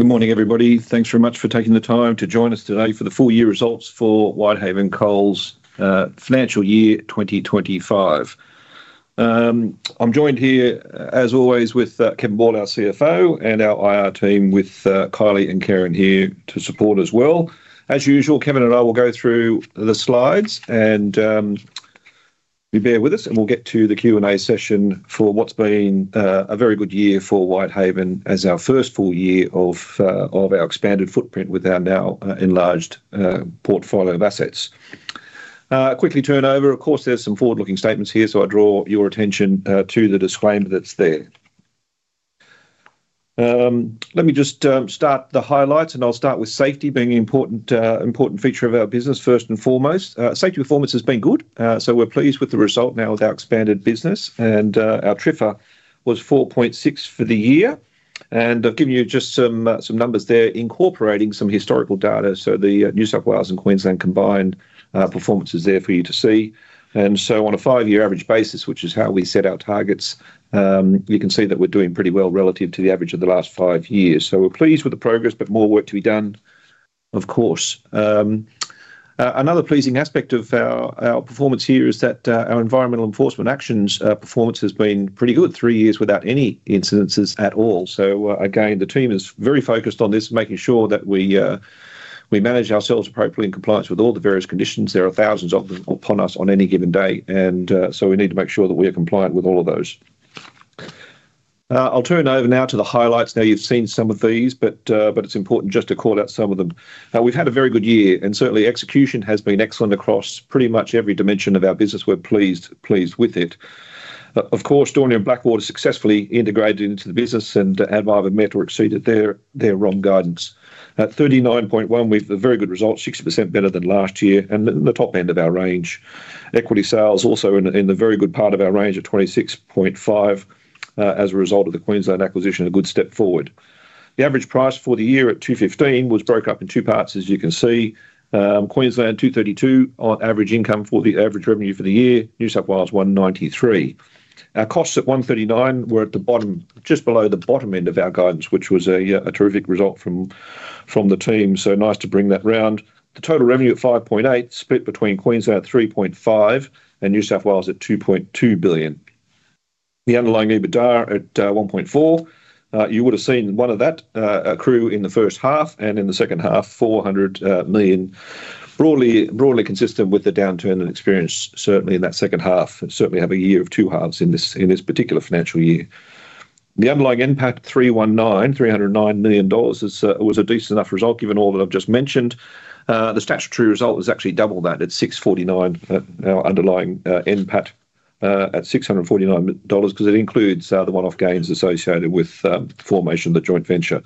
Good morning everybody. Thanks very much for taking the time to join us today for the full year results for Whitehaven Coal's financial year 2025. I'm joined here as always with Kevin Ball, our CFO, and our IR team with Kylie and Karen here to support as well. As usual, Kevin and I will go through the slides and you bear with us and we'll get to the Q&A session for what's been a very good year for Whitehaven as our first full year of our expanded footprint with our now enlarged portfolio of assets. Quickly turn over. Of course, there's some forward looking statements here, so I draw your attention to the disclaimer that's there. Let me just start the highlights and I'll start with safety being an important feature of our business. First and foremost, safety performance has been good. We're pleased with the result now with our expanded business and our TRIFR was 4.6 for the year. I've given you just some numbers there, incorporating some historical data. The New South Wales and Queensland combined performances are there for you to see. On a five year average basis, which is how we set our targets, you can see that we're doing pretty well relative to the average of the last five years. We're pleased with the progress, but more work to be done. Another pleasing aspect of our performance here is that our environmental enforcement actions performance has been pretty good. Three years without any incidences at all. The team is very focused on this, making sure that we manage ourselves appropriately in compliance with all the various conditions. There are thousands of them upon us on any given day and we need to make sure that we are compliant with all of those. I'll turn over now to the highlights. You've seen some of these, but it's important just to call out some of them. We've had a very good year and certainly execution has been excellent across pretty much every dimension of our business. We're pleased with it. Of course, Daunia and Blackwater successfully integrated into the business and have either met or exceeded their guidance at 39.1%. We've a very good result, 60% better than last year. The top end of our range, equity sales also in the very good part of our range at 26.5% as a result of the Queensland acquisition, a good step forward. The average price for the year at 215 was broken up in two parts as you can see. Queensland 232 on average income for the average revenue for the year. New South Wales 193. Our costs at 139 were at the bottom, just below the bottom end of our guidance, which was a terrific result. Nice to bring that round. The total revenue of 5.8 billion split between Queensland at 3.5 billion and New South Wales at 2.2 billion. The underlying EBITDA at 1.4 billion. You would have seen one of that accrue in the first half and in the second half 400 million. Broadly consistent with the downturn and experience. Certainly in that second half, certainly have a year of two halves. In this particular financial year, the underlying NPAT AUD 319 million dollars was a decent enough result given all that I've just mentioned. The statutory result is actually double that at 649 million. Our underlying NPAT at 649 million dollars because it includes the one-off gains associated with formation of the joint venture.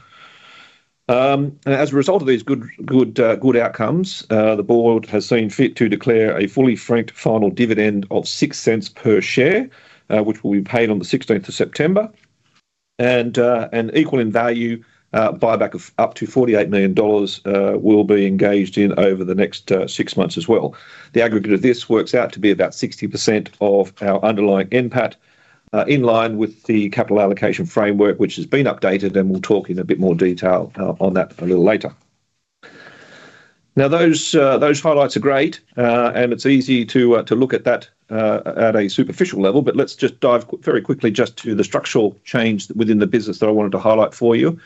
As a result of these good outcomes, the Board has seen fit to declare a fully franked final dividend of 0.06 per share which will be paid on 16th September and an equal in value buyback of up to 48 million dollars will be engaged in over the next six months. Aggregate of this works out to be about 60% of our underlying NPAT in line with the capital allocation framework which has been updated. We'll talk in a bit more detail on that a little later. Now those highlights are great and it's easy to look at that at a superficial level, but let's just dive very quickly just to the structural change within the business that I wanted to highlight for you.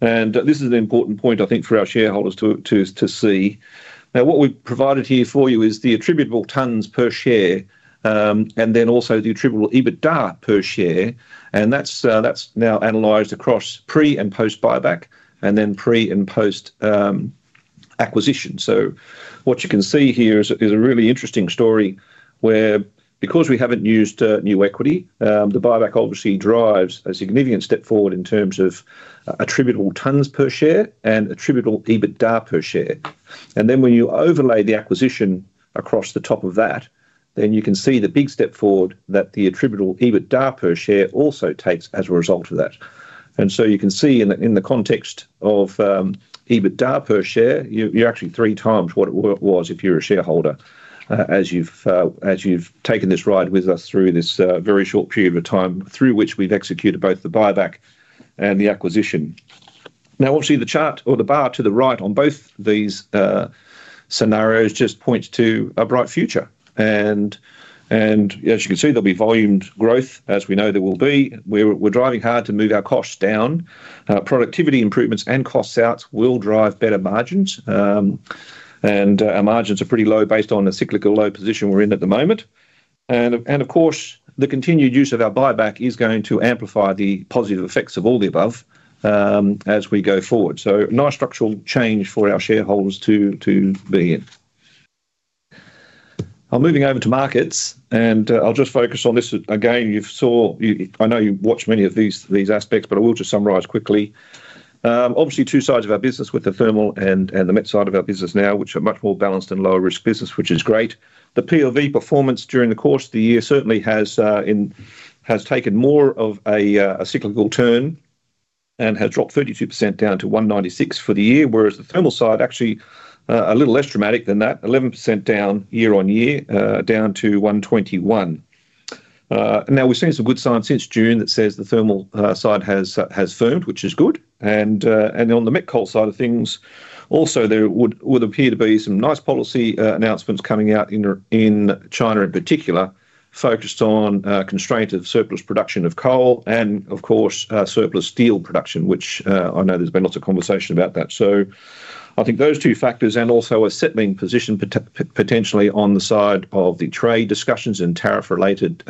This is an important point, I think, for our shareholders to see. Now what we provided here for you is the attributable tons per share and then also the attributable EBITDA per share. That's now analyzed across pre and post buyback and then pre and post acquisition. What you can see here is a really interesting story where because we haven't used new equity, the buyback obviously drives a significant step forward in terms of attributable tons per share and attributable EBITDA per share. When you overlay the acquisition across the top of that, then you can see the big step forward that the attributable EBITDA per share also takes as a result of that. You can see in the context of EBITDA per share, you're actually three times what it was if you're a shareholder, as you've taken this ride with us through this very short period of time through which we've executed both the buyback and the acquisition. Obviously the chart or the bar to the right on both these scenarios just points to a bright future. As you can see, there'll be volume growth as we know there will be. We're driving hard to move our costs down. Productivity improvements and costs out will drive better margins, and our margins are pretty low based on the cyclical low position we're in at the moment. Of course, the continued use of our buyback is going to amplify the positive effects of all the above as we go forward. Nice structural change for our shareholders to be in, moving over to markets, and I'll just focus on this again. You saw, I know you watch many of these aspects, but I will just summarize quickly. Obviously, two sides of our business with the thermal and the met side of our business now, which are much more balanced and lower risk business, which is great. The POV performance during the course of the year certainly has taken more of a cyclical turn and has dropped 32% down to 196 for the year, whereas the thermal side actually a little less dramatic than that, 11% down year down to 121. We've seen some good signs since June that say the thermal side has firmed, which is good. On the met coal side of things, also there would appear to be some nice policy announcements coming out in China in particular, focused on constraint of surplus production of coal and, of course, surplus steel production, which I know there's been lots of conversation about that. I think those two factors and also a settling position potentially on the side of the trade discussions, tariff related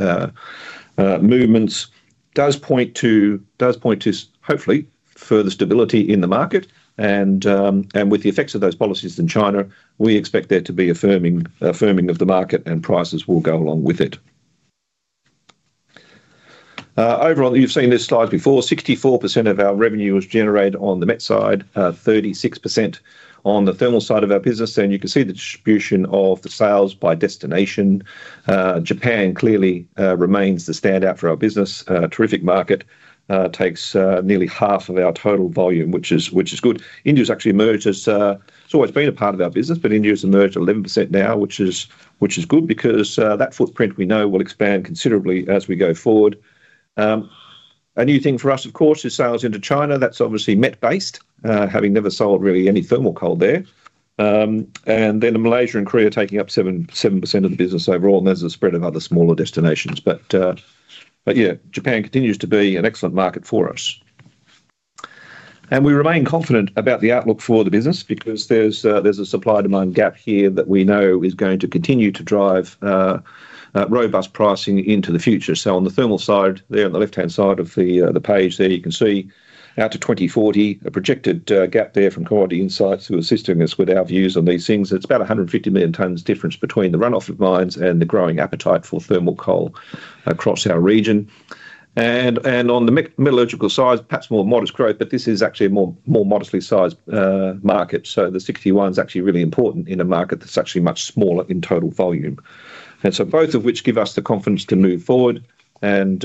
movements, does point to hopefully further stability in the market. With the effects of those policies in China, we expect there to be a firming of the market and prices will go along with it. Overall, you've seen this slide before. 64% of our revenue was generated on the met side, 36% on the thermal side of our business, and you can see the distribution of the sales by destination. Japan clearly remains the stand for our business. Terrific market, takes nearly half of our total volume, which is good. India's actually emerged as it's always been a part of our business, but India's emerged 11% now, which is good because that footprint we know will expand considerably as we go forward. A new thing for us, of course, is sales into China. That's obviously met based, having never sold really any thermal coal there, and then Malaysia and Korea taking up 7% of the business overall, and there's a spread of other smaller destinations. Japan continues to be an excellent market for us and we remain confident about the outlook for the business because there's a supply demand gap here that we know is going to continue to drive robust pricing into the future. On the thermal side there, on the left hand side of the page, you can see out to 2040, a projected gap from Commodity Insights, who are assisting us with our views on these things. It's about 150 million tons difference between the runoff of mines and the growing appetite for thermal coal across our region. On the metallurgical side, perhaps more modest growth, but this is actually a more modestly sized market. The 61% is actually really important in a market that's much smaller in total volume. Both of which give us the confidence to move forward and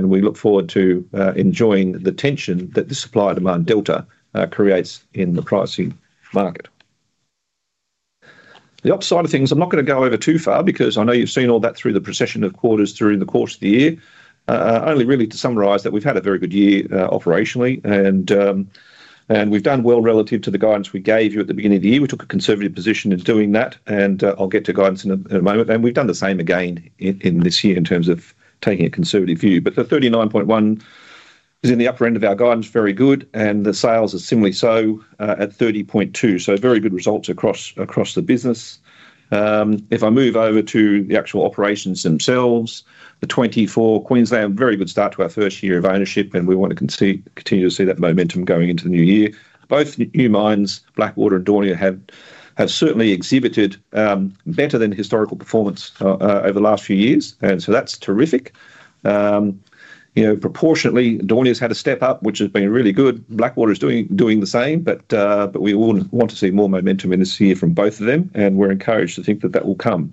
we look forward to enjoying the tension that the supply demand delta creates in the pricing market. The upside of things, I'm not going to go over too far because I know you've seen all that through the procession of quarters during the course of the year. Only really to summarize that we've had a very good year operationally and we've done well relative to the guidance we gave you at the beginning of the year. We took a conservative position in doing that and I'll get to guidance in a moment. We've done the same again in this year in terms of taking a conservative view. The 39.1 is in the upper end of our guidance, very good, and the sales are similarly so at 30.2, so very good results across the business. If I move over to the actual operations themselves, the 24 Queensland, very good start to our first year of ownership and we want to continue to see that momentum going into the new year. Both new mines, Blackwater and Daunia, have certainly exhibited better than historical performance over the last few years and that's terrific. Proportionately, Daunia's had a step up which has been really good. Blackwater is doing the same. We want to see more momentum in this year from both of them and we're encouraged to think that will come.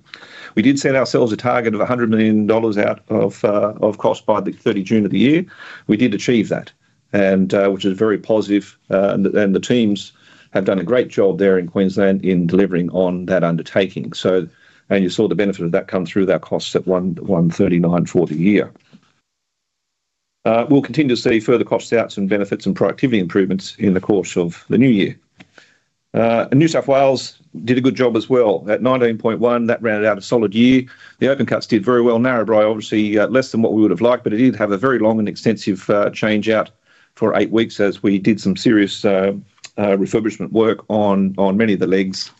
We did set ourselves a target of 100 million dollars out of cost by 30 June of the year. We did achieve that, which is very positive. The teams have done a great job there in Queensland in delivering on that undertaking and you saw the benefit of that come through that cost at 139.40 a year. We'll continue to see further cost outs and benefits and productivity improvements in the course of the new year. New South Wales did a good job as well at 19.1. That rounded out a solid year. The open cuts did very well. Narrabri obviously less than what we would have liked, but it did have a very long and extensive change out for eight weeks as we did some serious refurbishment work on many of the legs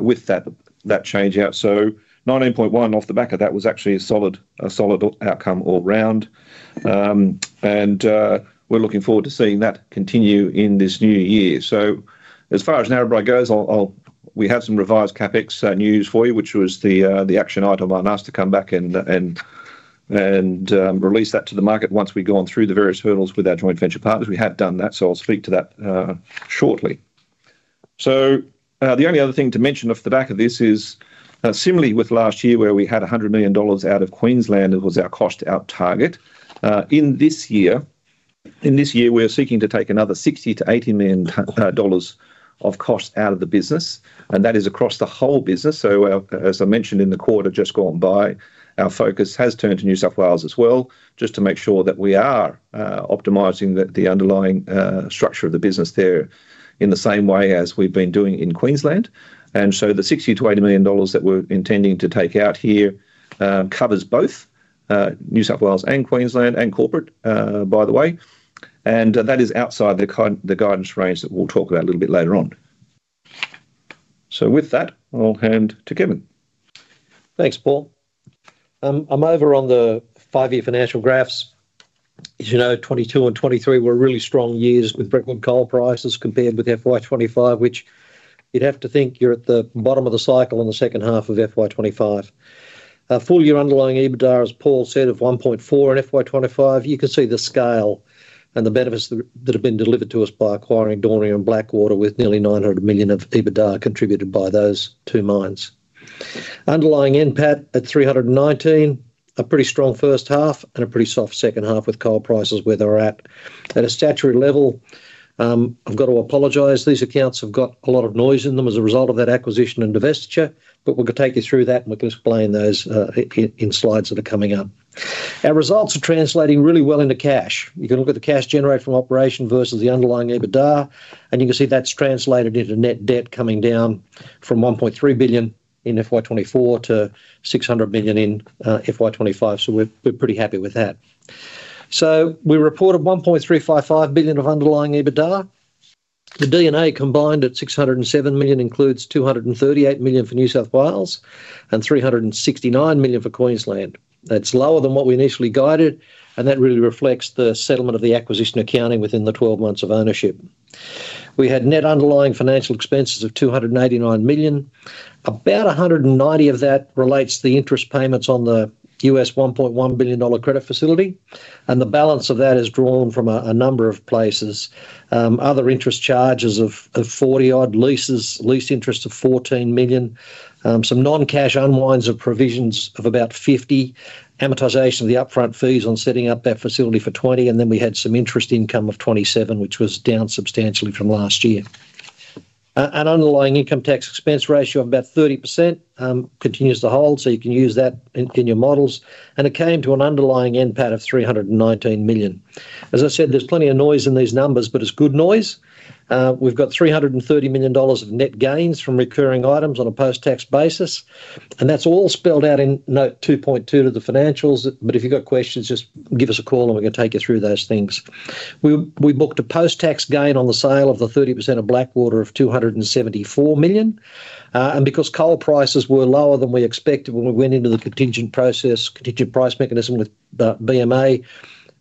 with that change out. 19.1 off the back of that was actually a solid outcome all round and we're looking forward to seeing that continue in this new year. As far as Narrabri goes, we have some revised CapEx news for you which was the action item I'd asked to come back and release that to the market once we've gone through the various hurdles with our joint venture partners. We have done that. I'll speak to that shortly. The only other thing to mention off the back of this is similarly with last year where we had 100 million dollars out of Queensland. It was our cost out target in this year. In this year we are seeking to take another 60 million-80 million dollars of cost out of the business and that is across the whole business. As I mentioned in the quarter just gone by, our focus has turned to New South Wales as well just to make sure that we are optimizing the underlying structure of the business there in the same way as we've been doing in Queensland. The 60 million-80 million dollars that we're intending to take out here covers both New South Wales and Queensland and corporate by the way, and that is outside the guidance range that we'll talk about a little bit later on. With that I'll hand to Kevin. Thanks Paul. I'm over on the five year financial graphs. As you know, 2022 and 2023 were really strong years with Brentwood coal prices compared with FY 2025, which you'd have to think you're at the bottom of the cycle in the second half of FY 2025. Full year underlying EBITDA, as Paul said, of 1.4 billion in FY 2025. You can see the scale and the benefits that have been delivered to us by acquiring Daunia and Blackwater, with nearly 900 million of EBITDA contributed by those two mines. Underlying NPAT at 319 million, a pretty strong first half and a pretty soft second half with coal prices where they were at a statutory level. I've got to apologize, these accounts have got a lot of noise in them as a result of that acquisition and divestiture. We are going to take you through that and we can explain those in slides that are coming up. Our results are translating really well into cash. You can look at the cash generated from operation versus the underlying EBITDA and you can see that's translated into net debt coming down from 1.3 billion in FY 2024 to 600 million in FY 2025. We're pretty happy with that. We reported 1.355 billion of underlying EBITDA. The DNA combined at 607 million includes 238 million for New South Wales and 369 million for Queensland. That's lower than what we initially guided and that really reflects the settlement of the acquisition. Accounting within the 12 months of ownership, we had net underlying financial expenses of 289 million. About 190 million of that relates to the interest payments on the $1.1 billion credit facility. The balance of that is drawn from a number of places: other interest charges of 40 million, lease interest of 14 million, some non-cash unwinds of provisions of about 50 million, amortization of the upfront fees on setting up that facility for 20 million, and then we had some interest income of 27 million, which was down substantially from last year. An underlying income tax expense ratio of about 30% continues to hold, so you can use that in your models. It came to an underlying NPAT of 319 million. As I said, there's plenty of noise in these numbers, but it's good noise. We've got 330 million dollars of net gains from recurring items on a post-tax basis, and that's all spelled out in note 2.2 to the financials. If you've got questions, just give us a call and we're going to take you through those things. We booked a post-tax gain on the sale of the 30% of Blackwater of 274 million. Because coal prices were lower than we expected when we went into the contingent process, contingent price mechanism with the BMA,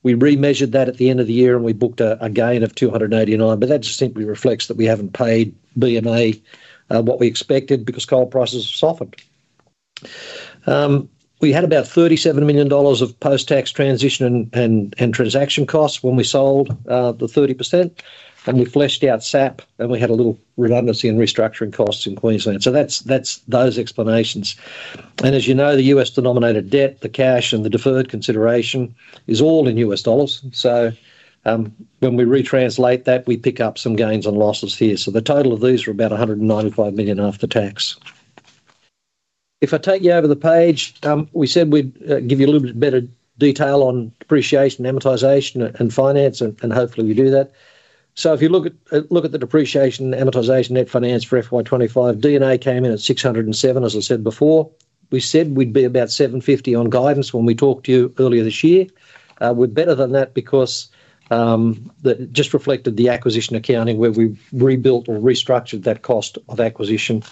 we remeasured that at the end of the year and we booked a gain of 289 million. That just simply reflects that we haven't paid BMA what we expected because coal prices softened. We had about 37 million dollars of post-tax transition and transaction costs when we sold the 30%. We fleshed out SAP and we had a little bit of redundancy and restructuring costs in Queensland. Those are the explanations and as you know, the U.S. denominated debt, the cash, and the deferred consideration is all in U.S. dollars. When we retranslate that, we pick up some gains and losses here. The total of these are about 195 million after tax. If I take you over the page, we said we'd give you a little bit better detail on depreciation, amortization, and finance and hopefully we do that. If you look at the depreciation, amortization, net finance for FY 2025, D&A came in at 607 million. As I said before, we said we'd be about 750 million on guidance when we talked to you earlier this year. We're better than that because it just reflected the acquisition accounting where we rebuilt or restructured that cost of acquisition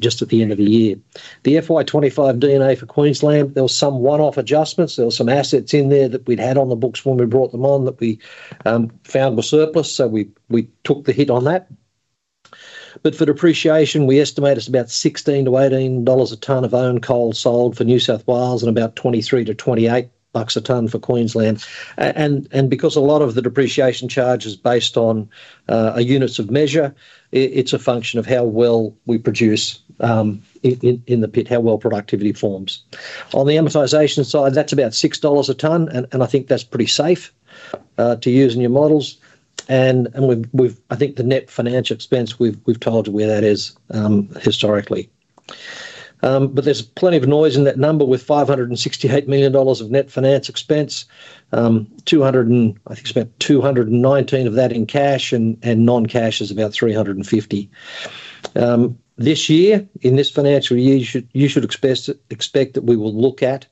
just at the end of the year. The FY 2025 D&A for Queensland, there were some one-off adjustments. There were some assets in there that we'd had on the books when we brought them on that we found were surplus. We took the hit on that. For depreciation, we estimate it's about 16-18 dollars a ton of owned coal sold for New South Wales and about 23-28 bucks a ton for Queensland. Because a lot of the depreciation charge is based on a units of measure, it's a function of how well we produce in the pit, how well productivity forms. On the amortization side, that's about 6 dollars a ton and I think that's pretty safe to use in your models. I think the net financial expense, we've told you where that is historically but there's plenty of noise in that number. With 568 million dollars of net finance expense, 219 million of that in cash and non-cash is about 350 million this year. In this financial year, you should expect that we will look at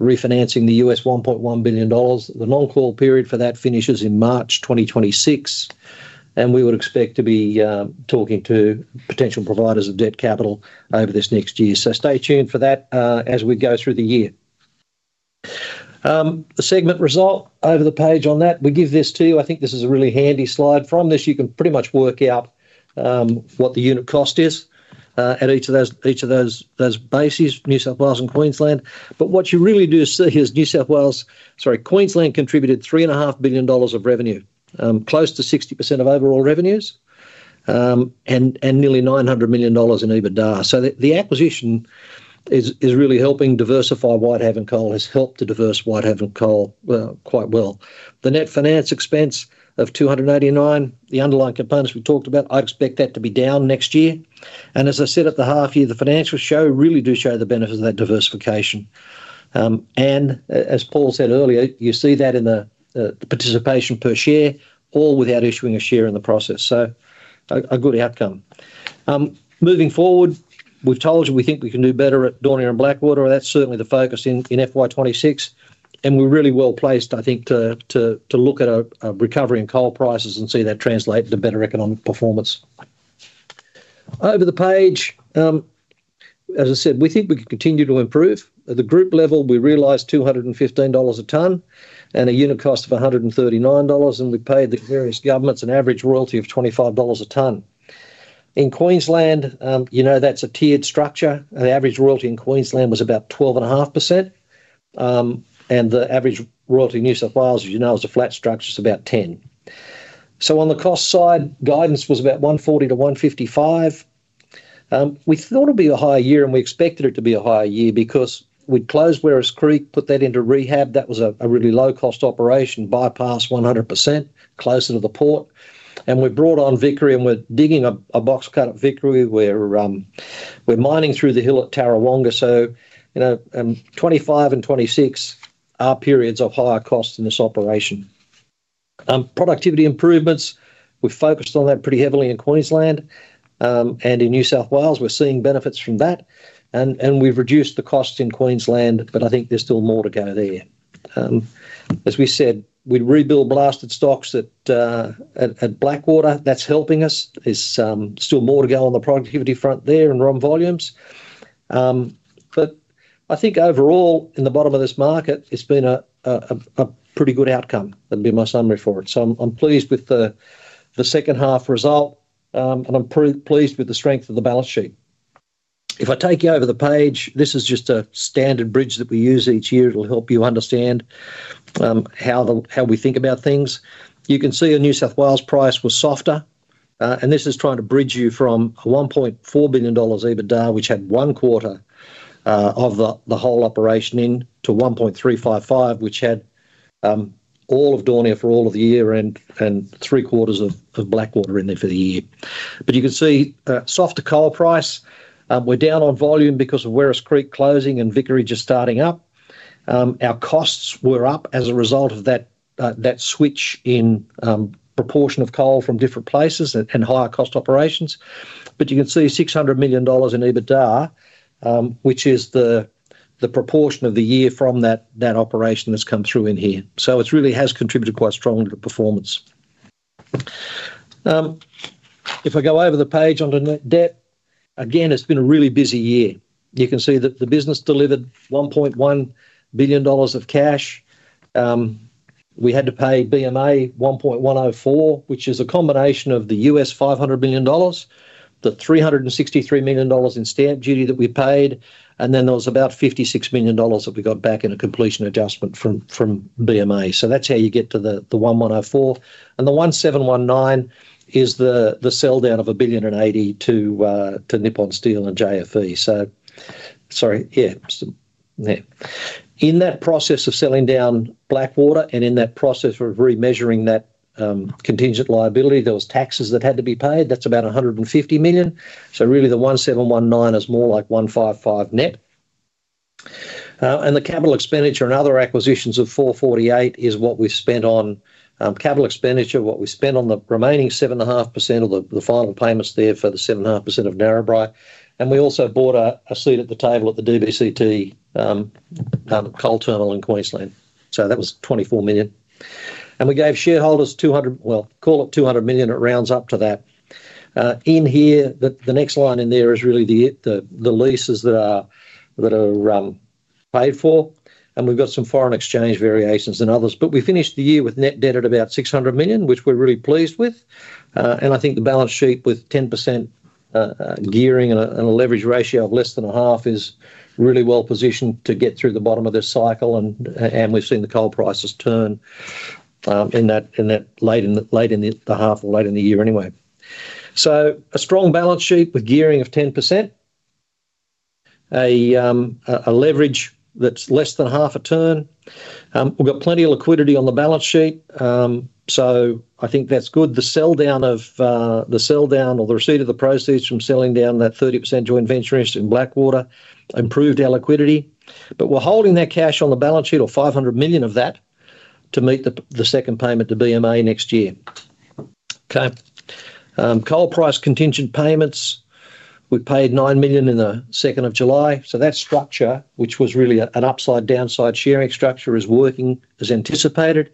refinancing the U.S. $1.1 billion. The non-call period for that finishes in March 2025. We would expect to be talking to potential providers of debt capital over this next year. Stay tuned for that as we go through the year. The segment result over the page on that, we give this to you. I think this is a really handy slide from this. You can pretty much work out what the unit cost is at each of those bases, New South Wales and Queensland. What you really do see is New South Wales, sorry, Queensland contributed 3.5 billion dollars of revenue, close to 60% of overall revenues and nearly 900 million dollars in EBITDA. The acquisition is really helping diversify. Whitehaven Coal has helped to diverse Whitehaven Coal quite well. The net finance expense of 289 million, the underlying components we talked about, I expect that to be down next year. As I said at the half year, the financials really do show the benefits of that diversification. As Paul said earlier, you see that in the participation per share all without issuing a share in the process. A good outcome moving forward. We've told you we think we can do better at Daunia and Blackwater. That's certainly the focus in FY 2026 and we're really well placed, I think, to look at a recovery in coal prices and see that translate to better economic performance over the page. As I said, we think we can continue to improve at the group level. We realized $215 a ton and a unit cost of 139 dollars. We paid the various governments an average royalty of 25 dollars a ton. In Queensland, you know, that's a tiered structure. The average royalty in Queensland was about 12.5% and the average royalty in New South Wales, as you know, is a flat structure. It's about 10%. On the cost side, guidance was about 140-155. We thought it'd be a high year and we expected it to be a high year because we'd closed Werris Creek, put that into rehab. That was a really low cost operation, bypass 100% closer to the port, and we brought on Vickery and we're digging a box cut at Vickery where we're mining through the hill at Tarrawonga. You know, 2025 and 2026 are periods of higher cost in this operation. Productivity improvements, we've focused on that pretty heavily in Queensland and in New South Wales we're seeing benefits from that and we've reduced the costs in Queensland. I think there's still more to go there. As we said, we'd rebuild blasted stocks at Blackwater. That's helping us. There's still more to go on the productivity front there and ROM volumes. I think overall in the bottom of this market, it's been a pretty good outcome. That'd be my summary for it. I'm pleased with the second half result and I'm pleased with the strength of the balance sheet. If I take you over the page, this is just a standard bridge that we use each year. It'll help you understand how we think about things. You can see a New South Wales price was softer and this is trying to bridge you from 1.4 billion dollars EBITDA which had one quarter of the whole operation in to 1.355 billion which had all of Daunia for all of the year and 3/4 of Blackwater in there for the year. You can see softer coal price. We're down on volume because of Werris Creek closing and Vickery is starting up. Our costs were up as a result of that switch in proportion of coal from different places and higher cost operations. You can see 600 million dollars in EBITDA which is the proportion of the year from that operation that's come through in here. It really has contributed quite strongly to performance. If I go over the page on the net debt again, it's been a really busy year. You can see that the business delivered 1.1 billion dollars of cash. We had to pay BMA 1.104 billion which is a combination of the $500 million, the 363 million dollars in stamp duty that we paid and then there was about 56 million dollars that we got back in a completion adjustment from BMA. That's how you get to the 1.104 billion. The 1.719 billion is the sell down of 1.08 billion to Nippon Steel and JFE. In that process of selling down Blackwater and in that process of remeasuring that contingent liability there were taxes that had to be paid. That's about 150 million. The 1.719 billion is more like 1.55 billion net. The capital expenditure and other acquisitions of 448 million is what we've spent on capital expenditure, what we spent on the remaining 7.5% or the final payments there for the 7.5% of Narrabri. We also bought a seat at the table at the DBCT coal terminal in Queensland. That was 24 million and we gave shareholders 200 million. It rounds up to that in here. The next line in there is really the leases that are paid for and we've got some foreign exchange variations and others, but we finished the year with net debt at about 600 million, which we're really pleased with. I think the balance sheet with 10% gearing and a leverage ratio of less than a half is really well positioned to get through the bottom of this cycle. We've seen the coal prices. In. That late in, late in the half or late in the year anyway. A strong balance sheet with gearing of 10% and leverage that's less than half a turn. We've got plenty of liquidity on the balance sheet. I think that's good. The sell down or the receipt of the proceeds from selling down that 30% joint venture interest in Blackwater improved our liquidity. We're holding that cash on the balance sheet, or 500 million of that, to meet the second payment to BMA next year. Coal price contingent payments. We paid 9 million in July 2nd. That structure, which was really an upside downside sharing structure, is working as anticipated.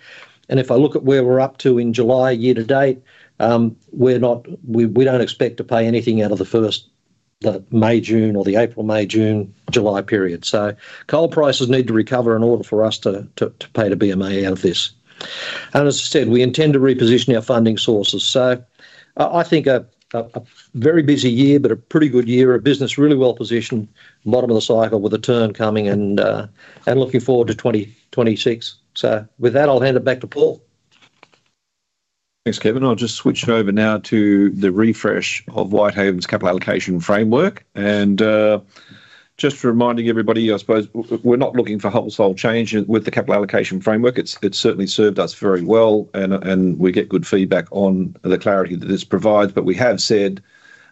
If I look at where we're up to in July, year to date, we don't expect to pay anything out of the first, the May, June or the April, May, June, July period. Coal prices need to recover in order for us to pay to BMA out of this. As I said, we intend to reposition our funding sources. I think a very busy year, but a pretty good year of business. Really well positioned, bottom of the cycle with a turn coming and looking forward to 2026. With that I'll hand it back to Paul. Thanks, Kevin. I'll just switch it over now to the refresh of Whitehaven's capital allocation framework and just reminding everybody, I suppose we're not looking for wholesale change with the capital allocation framework. It's certainly served us very well. We get good feedback on the clarity that this provides. We have said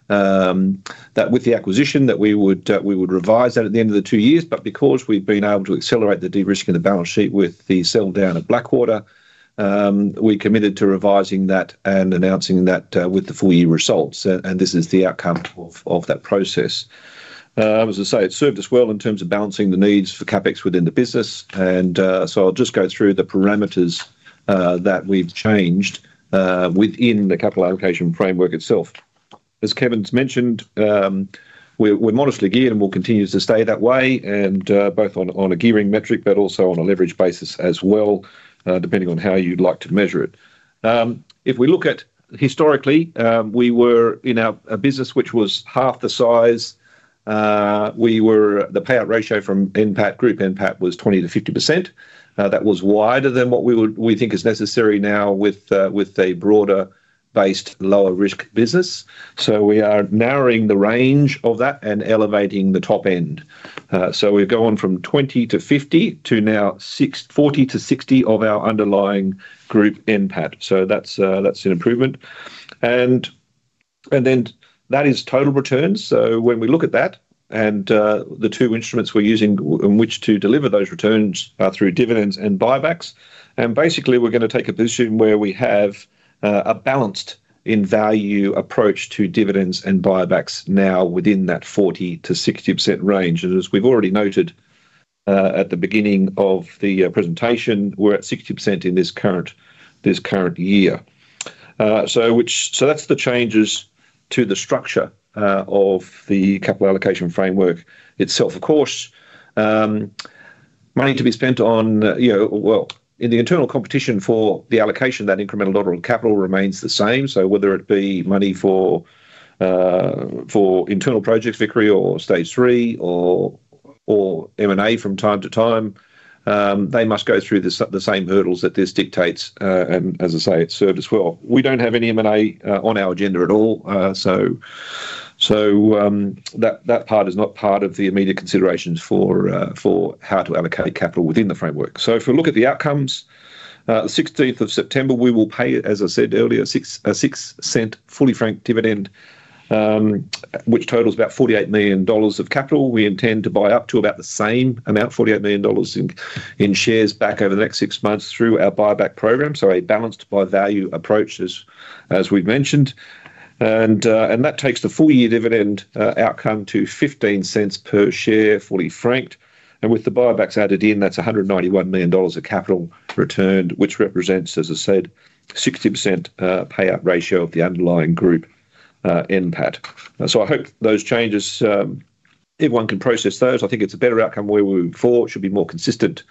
that with the acquisition that we would revise that at the end of the two years, but because we've been able to accelerate the de-risking of the balance sheet with the sell down of Blackwater, we committed to revising that and announcing that with the full year results. This is the outcome of that process. As I say, it served us well in terms of balancing the needs for CapEx within the business. I'll just go through the parameters that we've changed within the capital allocation framework itself. As Kevin's mentioned, we're modestly geared and we'll continue to stay that way, both on a gearing metric but also on a leverage basis as well, depending on how you'd like to measure it. If we look at historically, we were in a business which was half the size. The payout ratio from group NPAT was 20%-50%. That was wider than what we think is necessary now with a broader-based, lower-risk business. We are narrowing the range of that and elevating the top end. We're going from 20%-50% to now 40%-60% of our underlying group NPAT. That's an improvement and that is total returns. When we look at that and the two instruments we're using in which to deliver those returns are through dividends and buybacks. Basically, we're going to take a position where we have a balanced and value approach to dividends and buybacks now within that 40%-60% range. As we've already noted at the beginning of the presentation, we're at 60% in this current year. That's the changes to the structure of the capital allocation framework itself. Of course, money to be spent on, you know, well, in the internal competition for the allocation, that incremental dollar capital remains the same. Whether it be money for internal projects, Vickery or Stage 3, or M&A from time to time, they must go through the same hurdles that this dictates. As I say, it's served us well. We don't have any M&A on our agenda at all. That part is not part of the immediate considerations for how to allocate capital within the framework. If we look at the outcomes, on 16th September we will pay, as I said earlier, a 0.06 fully franked dividend which totals about 48 million dollars of capital. We intend to buy up to about the same amount, 48 million dollars in shares back over the next six months through our buyback program. A balanced by value approach as we've mentioned takes the full year dividend outcome to 0.15 per share, fully franked, and with the buybacks added in, that's 191 million dollars of capital returned which represents, as I said, a 60% payout ratio of the underlying group NPAT. I hope those changes, everyone can process those. I think it's a better outcome where we fall. It should be a more consistent,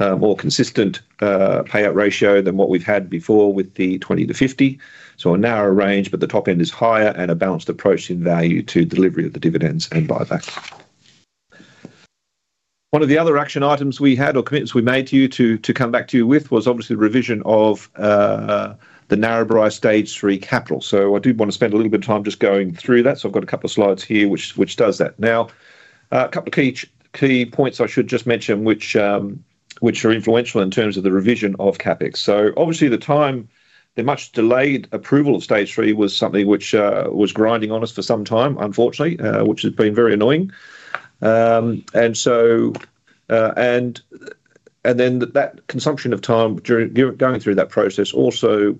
more consistent payout ratio than what we've had before with the 20%-50%. A narrow range but the top end is higher and a balanced approach value to delivery of the dividends and buybacks. One of the other action items we had or commitments we made to you to come back to you with was obviously revision of the Narrabri Stage 3 capital. I did want to spend a little bit of time just going through that. I've got a couple of slides here which does that. A couple of key points I should just mention which are influential in terms of the revision of CapEx. The much delayed approval of Stage 3 was something which was grinding on us for some time, unfortunately, which had been very annoying. That consumption of time going through that process also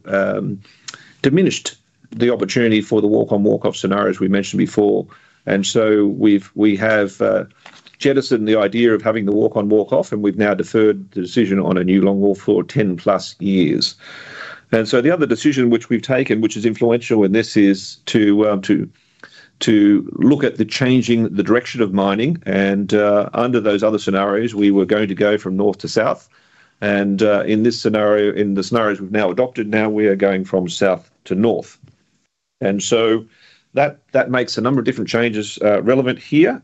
diminished the opportunity for the walk on, walk off scenarios we mentioned before. We have jettisoned the idea of having the walk on, walk off and we've now deferred the decision on a new longwall for 10 plus years. The other decision which we've taken, which is influential, is to look at changing the direction of mining and under those other scenarios we were going to go from north to south. In the scenarios we've now adopted, we are going from south to north. That makes a number of different changes relevant here.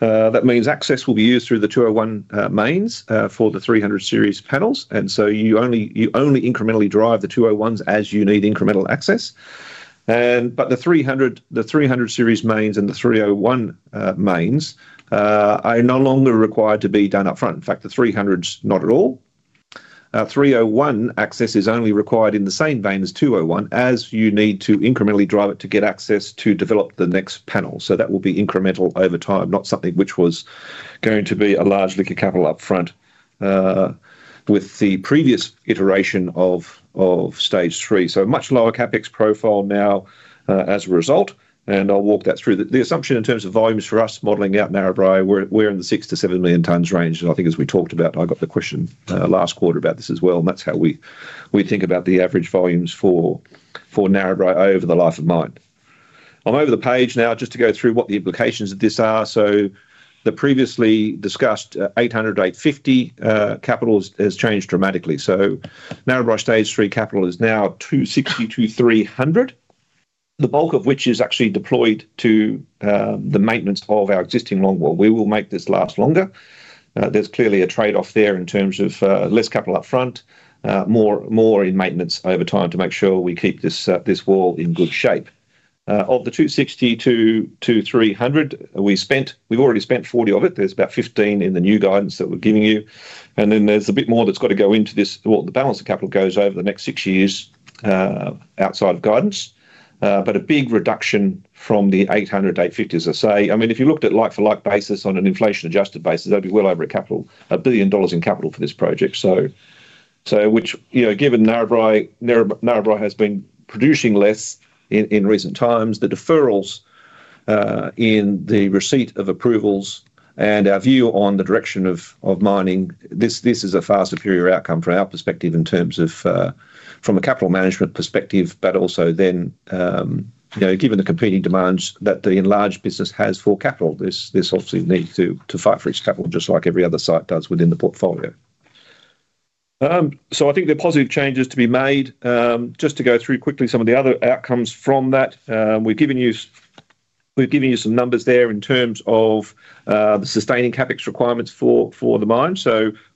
That means access will be used through the 201 mains for the 300 series panels. You only incrementally drive the 201s as you need incremental access, but the 300 series mains and the 301 mains are no longer required to be done upfront. In fact, the 300s, not at all. 301 access is only required in the same vein as 201 as you need to incrementally drive it to get access to develop the next panel. That will be incremental over time, not something which was going to be a large liquor capital up front with the previous iteration of Stage 3. Much lower CapEx profile now as a result. I'll walk that through. The assumption in terms of volumes for us modeling out Narrabri, we're in the 6 million-7 million tons range. I think as we talked about, I got the question last quarter about this as well and that's how we think about the average volumes for Narrabri over the life of mine. I'm over the page now just to go through what the implications of this are. The previously discussed 800 million-850 million capital has changed dramatically. Narrabri Stage 3 capital is now 260 million-300 million, the bulk of which is actually deployed to the maintenance of our existing longwall. We will make this last longer. There's clearly a trade-off there in terms of less capital up front, more in maintenance over time to make sure we keep this wall in good shape. Of the 260 million-300 million we spent, we've already spent 40 million. There's about 15 million in the new guidance that we're giving you. Then there's a bit more that's got to go into this, what the balance of capital goes over the next six years outside of guidance. A big reduction from the 800 million-850 million as I say. If you looked at like-for-like basis on an inflation adjusted basis, that'd be well over 1 billion dollars in capital for this project, which given Narrabri has been producing less in recent times, the deferrals in the receipt of approvals, and our view on the direction of mining, this is a far superior outcome from our perspective in terms of capital management. Also, given the competing demands that the enlarged business has for capital, this obviously needs to fight for each capital just like every other site does within the portfolio. I think there are positive changes to be made. Just to go through quickly some of the other outcomes from that, we've given you some numbers there in terms of the sustaining CapEx requirements for the mine.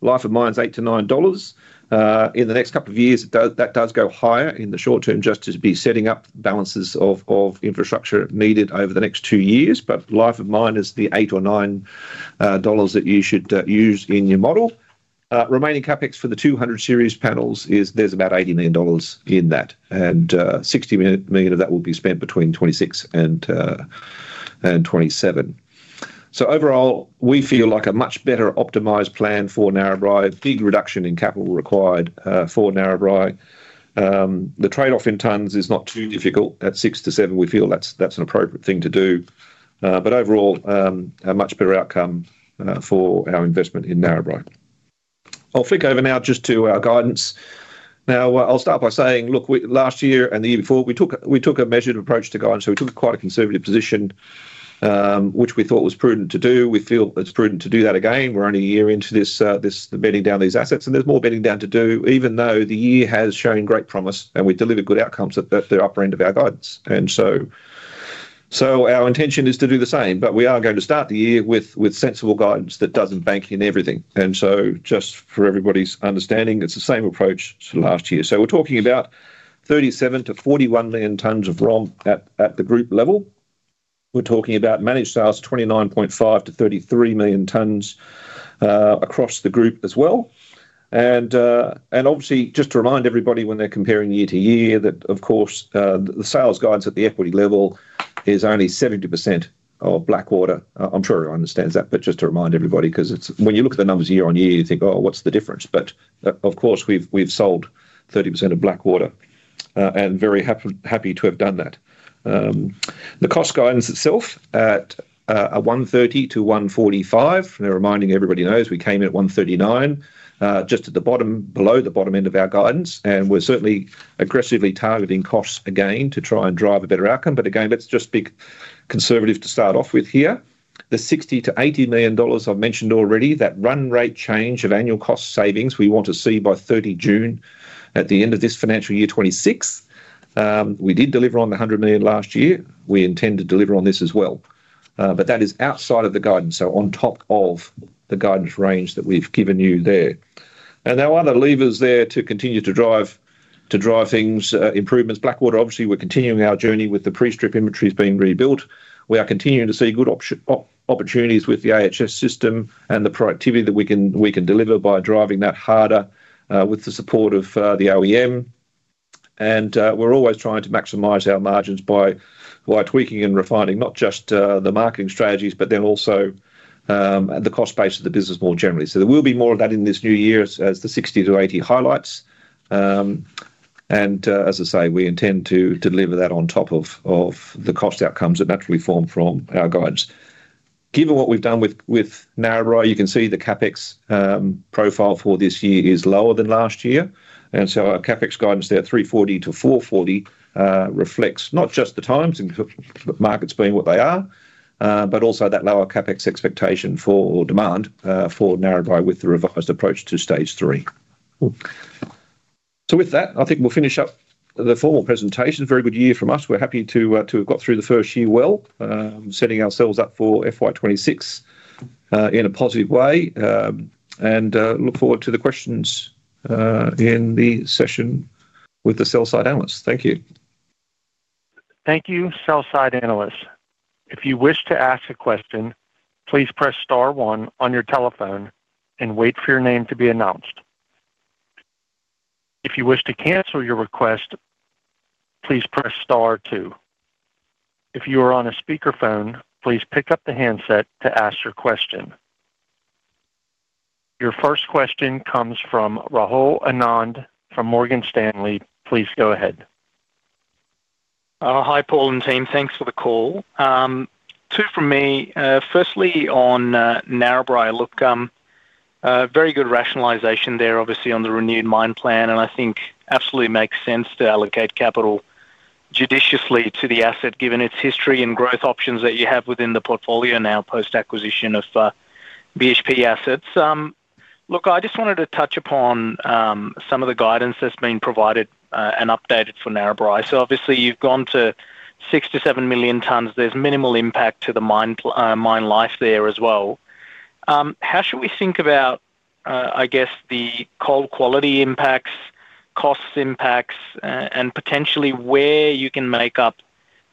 Life of mine is 8-9 dollars in the next couple of years. That does go higher in the short term just to be setting up balances of infrastructure needed over the next two years, but life of mine is the 8-9 dollars that you should use in your model. Remaining CapEx for the 200 series panels is. There's about 80 million dollars in that and 60 million of that will be spent between 2026 and 2027. Overall, we feel like a much better optimized plan for Narrabri. Big reduction in capital required for Narrabri. The trade-off in tons is not too difficult at six to seven, we feel that's an appropriate thing to do. Overall, a much better outcome for our investment in Narrabri. I'll flick over now just to our guidance. I'll start by saying look, last year and the year before we took a measured approach to guidance. We took quite a conservative position which we thought was prudent to do. We feel it's prudent to do that again. We're only a year into this bedding down these assets and there's more bedding down to do. Even though the year has shown great promise and we delivered good outcomes at the upper end of our guidance, our intention is to do the same. We are going to start the year with sensible guidance that doesn't bank in everything. Just for everybody's understanding, it's the same approach as last year. We're talking about 37 million-41 million tons of ROM at the group level. We're talking about managed sales, 29.5 million-33 million tons across the group as well. Obviously, just to remind everybody when they're comparing year to year that of course the sales guidance at the equity level is only 70% for Blackwater. I'm sure everyone understands that, but just to remind everybody because when you look at the numbers year on year you think oh what's the difference? Of course, we've sold 30% of Blackwater and very happy to have done that. The cost guidance itself at 130-145. Reminding everybody, we came at 139 just at the bottom, below the bottom end of our guidance and we're certainly aggressively targeting costs again to try and drive a better outcome. Let's just be conservative to start off with here. The 60 million-80 million dollars I've mentioned already, that run rate change of annual cost savings we want to see by the 30th of June at the end of this financial year 2026. We did deliver on the 100 million last year. We intend to deliver on this as well, but that is outside of the guidance. On top of the guidance range that we've given you there, there are other levers to continue to drive improvements. Blackwater, obviously we're continuing our journey with the pre-strip inventories being rebuilt. We are continuing to see good opportunities with the AHS system and the productivity that we can deliver by driving that harder with the support of the OEM. We're always trying to maximize our margins by tweaking and refining not just the marketing strategies but also the cost base of the business more generally. There will be more of that in this new year as the 60 to 80 highlights. As I say, we intend to deliver that on top of the cost outcomes that naturally form from our guidance. Given what we've done with Narrabri, you can see the CapEx profile for this year is lower than last year. Our CapEx guidance there, 340 million-440 million, reflects not just the times and markets being what they are, but also that lower CapEx expectation for demand for Narrabri with the revised approach to Stage 3. With that, I think we'll finish up the formal presentation. Very good year from us. We're happy to have got through the first year well, setting ourselves up for FY 2026 in a positive way and look forward to the questions in the session with the sell side analysts. Thank you. Thank you, sell side analysts. If you wish to ask a question, please press star one on your telephone and wait for your name to be announced. If you wish to cancel your request, please press star two. If you are on a speakerphone, please pick up the handset to ask your question. Your first question comes from Rahul Anand from Morgan Stanley. Please go ahead. Hi, Paul and team. Thanks for the call. Two from me. Firstly on Narrabri. Very good rationalization there, obviously on the renewed mine plan and I think absolutely makes sense to allocate capital judiciously to the asset, given its history and growth options that you have within the portfolio now post acquisition of BHP assets. I just wanted to touch upon some of the guidance that's been provided and updated for Narrabri. Obviously you've gone to 6 million-7 million tons. There's minimal impact to the mine life there as well. How should we think about, I guess, the coal quality impacts, cost impacts, and potentially where you can make up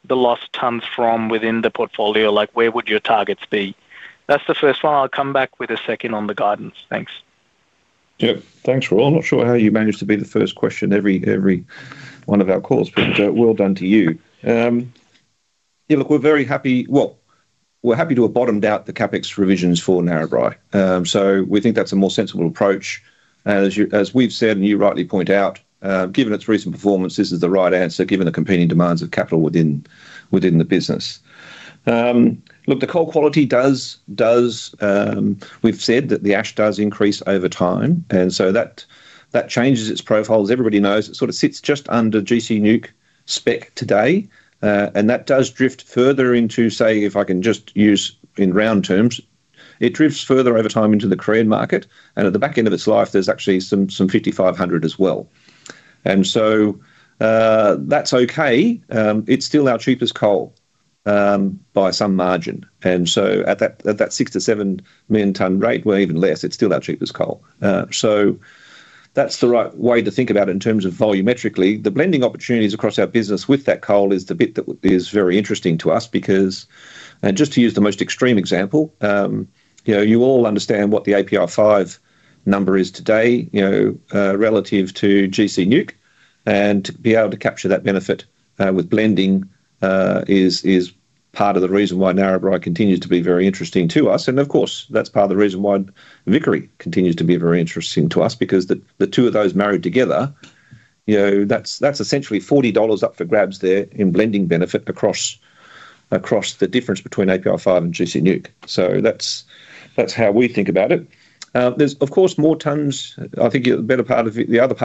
the lost tons from within the portfolio? Where would your targets be? That's the first one. I'll come back with a second on the guidance, thanks. Yeah, thanks, Rahul. I'm not sure how you managed to be the first question every one of our calls, but well done to you. Look, we're very happy. We're happy to have bottomed out the CapEx revisions for Narrabri. We think that's a more sensible approach. As we've said, and you rightly point out, given its recent performance, this is the right answer given the competing demands of capital within the business. The coal quality does. We've said that the ash does increase over time and so that changes its profile. As everybody knows, it sort of sits just under GC Newc spec today, and that does drift further into, say, if I can just use in round terms, it drifts further over time into the Korean market. At the back end of its life, there's actually some 5,500 as well, and that's okay. It's still our cheapest coal by some margin, and at that 6 million-7 million ton rate, even less, it's still our cheapest coal. That's the right way to think about it in terms of volumetrically. The blending opportunities across our business with that coal is the bit that is very interesting to us because just to use the most extreme example, you know, you all understand what the API5 number is today relative to GC Newc, and to be able to capture that benefit with blending is part of the reason why Narrabri continues to be very interesting to us. Of course, that's part of the reason why Vickery continues to be very interesting to us because the two of those married together, that's essentially $40 up for grabs there in blending benefit across the difference between API5 and GC Newc. That's how we think about it. There's, of course, more tons. I think the other part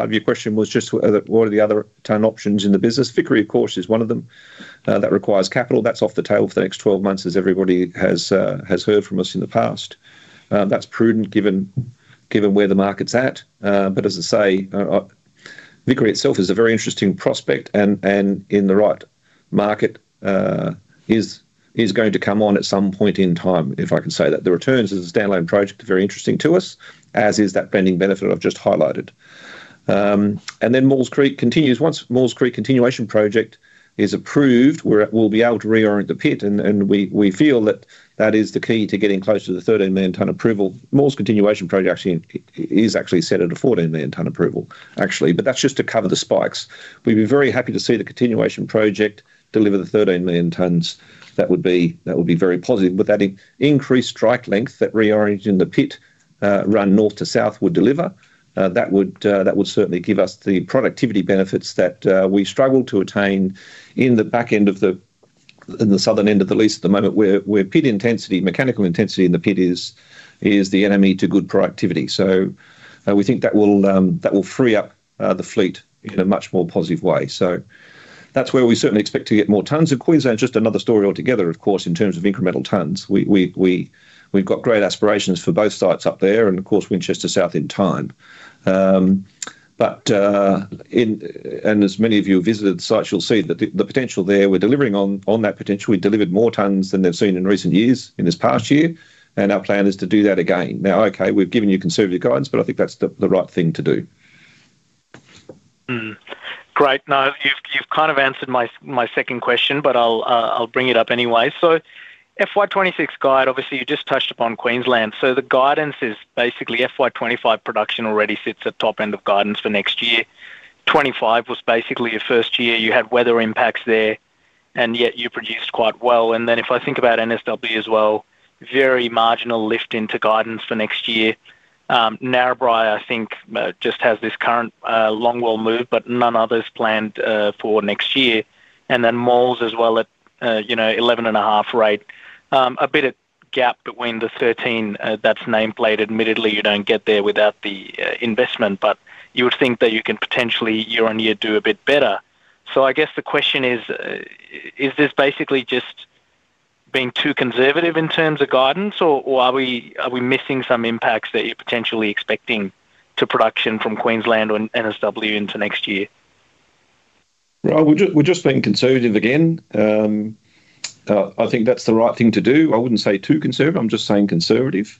of your question was just what are the other ton options in the business. Vickery, of course, is one of them. That requires capital that's off the tail for the next 12 months. As everybody has heard from us in the past, that's prudent given where the market's at. As I say, Vickery itself is a very interesting prospect and in the right market is going to come on at some point in time, if I can say that. The returns as a standalone project, very interesting to us, as is that blending benefit I've just highlighted. Then Maules Creek continues once more, continuation project is approved. We'll be able to reorient the pit and we feel that that is the key to getting close to the 13 million ton approval. Moore's continuation projection is actually set at a 14 million ton approval, actually, but that's just to cover the spikes. We'd be very happy to see the continuation project deliver the 13 million tons. That would be very positive. That increased strike length that reorient in the pit run north to south would deliver, that would certainly give us the productivity benefits that we struggled to attain in the back end of the, in the southern end of the lease at the moment, where pit intensity, mechanical intensity in the pit is the enemy to good productivity. We think that will free up out the fleet in a much more positive way. That's where we certainly expect to get more tons. Queensland's just another story altogether, of course, in terms of incremental tons. We've got great aspirations for both sites up there and of course Winchester South in time. As many of you visited the sites, you'll see that the potential there, we're delivering on that potential. We delivered more tons than they've seen in recent years in this past year and our plan is to do that again now. We've given you conservative guidance, but I think that's the right thing to do. Great. Now you've kind of answered my second question, but I'll bring it up anyway. FY 2026 guide, obviously you just touched upon Queensland, so the guidance is basically FY 2025 production already sits at the top end of guidance for next year. FY 2025 was basically your first year, you had weather impacts there and yet you produced quite well. If I think about New South Wales as well, very marginal lift into guidance for next year. Narrabri I think just has this current longwall move, but none others planned for next year, and then Maules as well at 11.5 rate. A bit of gap between the 13, that's nameplate. Admittedly, you don't get there without the investment, but you would think that you can potentially year on year do a bit better. I guess the question is, is this basically just being too conservative in terms of guidance, or are we missing some impacts that you're potentially expecting to production from Queensland or New South Wales into next year? Right, we're just being conservative again. I think that's the right thing to do. I wouldn't say too conservative, I'm just saying conservative.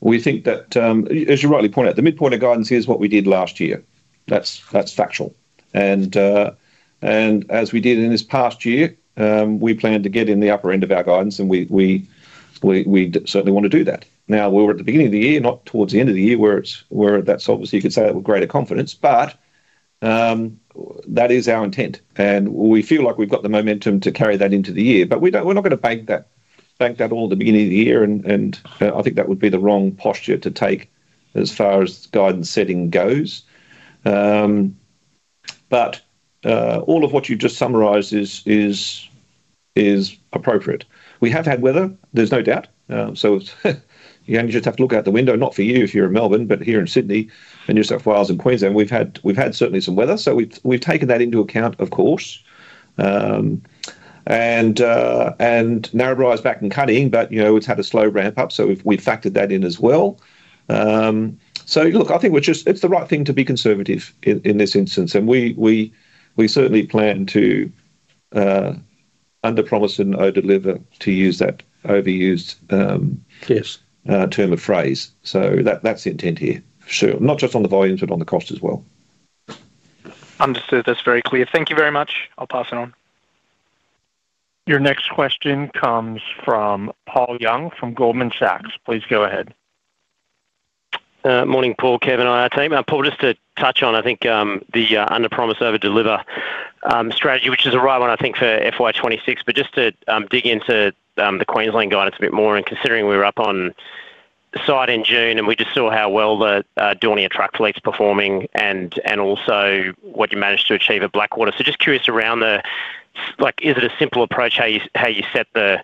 We think that, as you rightly point out, the midpoint of guidance is what we did last year. That's factual, and as we did in this past year, we plan to get in the upper end of our guidance and we certainly want to do that. Now we're at the beginning of the year, not towards the end of the year where that's obviously, you could say it with greater confidence, but that is our intent and we feel like we've got the momentum to carry that into the year. We're not going to bank that all at the beginning of the year and I think that would be the wrong posture to take as far as guidance setting goes. All of what you just summarized is appropriate. We have had weather, there's no doubt, so you just have to look out the window. Not for you if you're in Melbourne, but here in Sydney and New South Wales and Queensland. We've had certainly some weather, so we've taken that into account of course, and Narrabri is back and cutting, but it's had a slow ramp up, so we've factored that in as well. I think it's the right thing to be conservative in this instance and we certainly plan to under promise and over deliver, to use that overused turn of phrase. That's the intent here, not just on the volumes but on the cost as well. Understood, that's very clear. Thank you very much. I'll pass it on. Your next question comes from Paul Young from Goldman Sachs. Please go ahead. Morning, Paul. Kevin, I take my apologies just to touch on I think the under promise over deliver strategy, which is the right one I think for FY 2026. Just to dig into the Queensland guidance a bit more and considering we were up on site in June and we just saw how well the Daunia truck fleet's performing and also what you managed to achieve at Blackwater. I'm just curious around the, like, is it a simple approach how you set the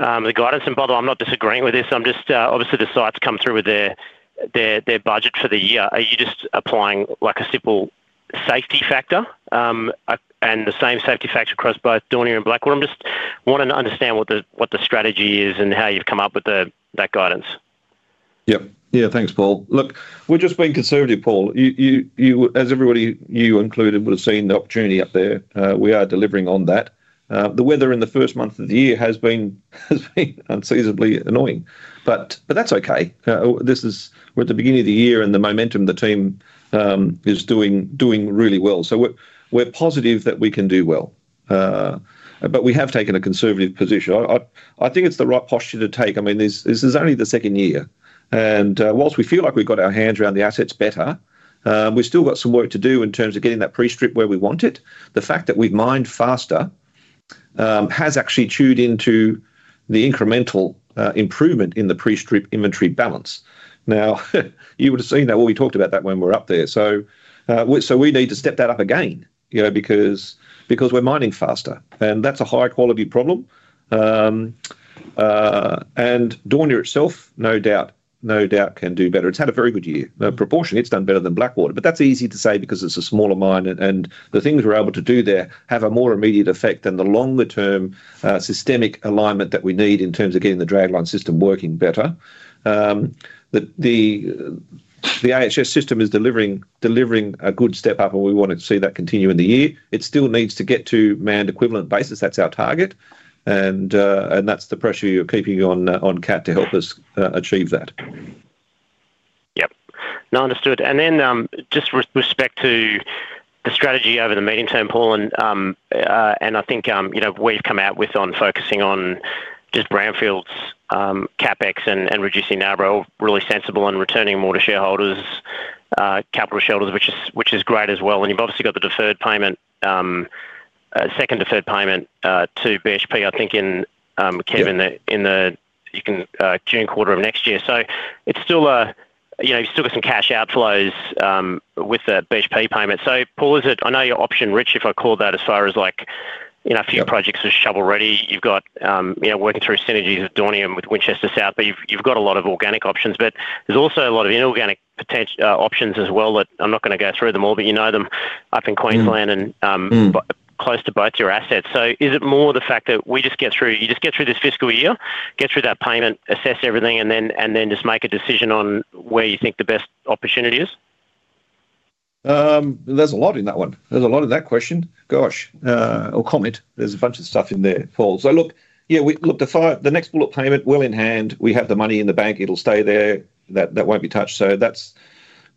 guidance? I'm not disagreeing with this. I'm just obviously the site to come through with their budget for the year. Are you just applying like a simple safety factor and the same safety factor across both Daunia and Blackwater? I'm just wanting to understand what the strategy is and how you've come up with that guidance. Yep. Yeah, thanks Paul. Look, we're just being conservative, Paul, as everybody, you included, would have seen the opportunity up there. We are delivering on that. The weather in the first month of the year has been unseasonably annoying, but that's okay. This is, we're at the beginning of the year and the momentum, the team is doing really well. We're positive that we can do well, but we have taken a conservative position. I think it's the right posture to take. I mean, this is only the second year and whilst we feel like we got our hands around the assets better, we still got some work to do in terms of getting that pre-strip where we want it. The fact that we've mined faster has actually chewed into the incremental improvement in the pre-strip inventory balance. You would have seen that. We talked about that when we were up there. We need to step that up again because we're mining faster and that's a high quality problem. Daunia itself, no doubt, can do better. It's had a very good year. Proportionately, it's done better than Blackwater. That's easy to say because it's a smaller mine and the things we're able to do there have a more immediate effect than the longer term systemic alignment that we need in terms of getting the dragline system working better. The AHS system is delivering a good step up and we want to see that continue in the year. It still needs to get to manned equivalent basis. That's our target and that's the pressure you're keeping on CAT to help us achieve that. Yep. Now, understood. With respect to the strategy over the medium term, Paul and I think you know we've come out with on focusing on just brownfield CapEx and reducing Narrabri really sensible and returning more to shareholders capital shelters which is great as well, and you've obviously got the deferred payment, second deferred payment to BHP, I think in Kevin in the June quarter of next year, so it's still got some cash outflows with the BHP payment. Is it Paul? I know you're option rich if I call that as far as like a few projects are shovel ready, you've got working through synergies with Daunia, with Winchester South, but you've got a lot of organic options. There's also a lot of organic potential options as well. I'm not going to go through them all, but you know them up in Queensland and close to both your assets, so is it more the fact that. We just get through. You just get through this fiscal year, get through that payment, assess everything, and then just make a decision on where you think the best opportunity is. There's a lot in that one. There's a lot in that question. Gosh. Or comment. There's a bunch of stuff in there, Paul. Look, the next bullet payment is well in hand. We have the money in the bank, it'll stay there, that won't be touched, so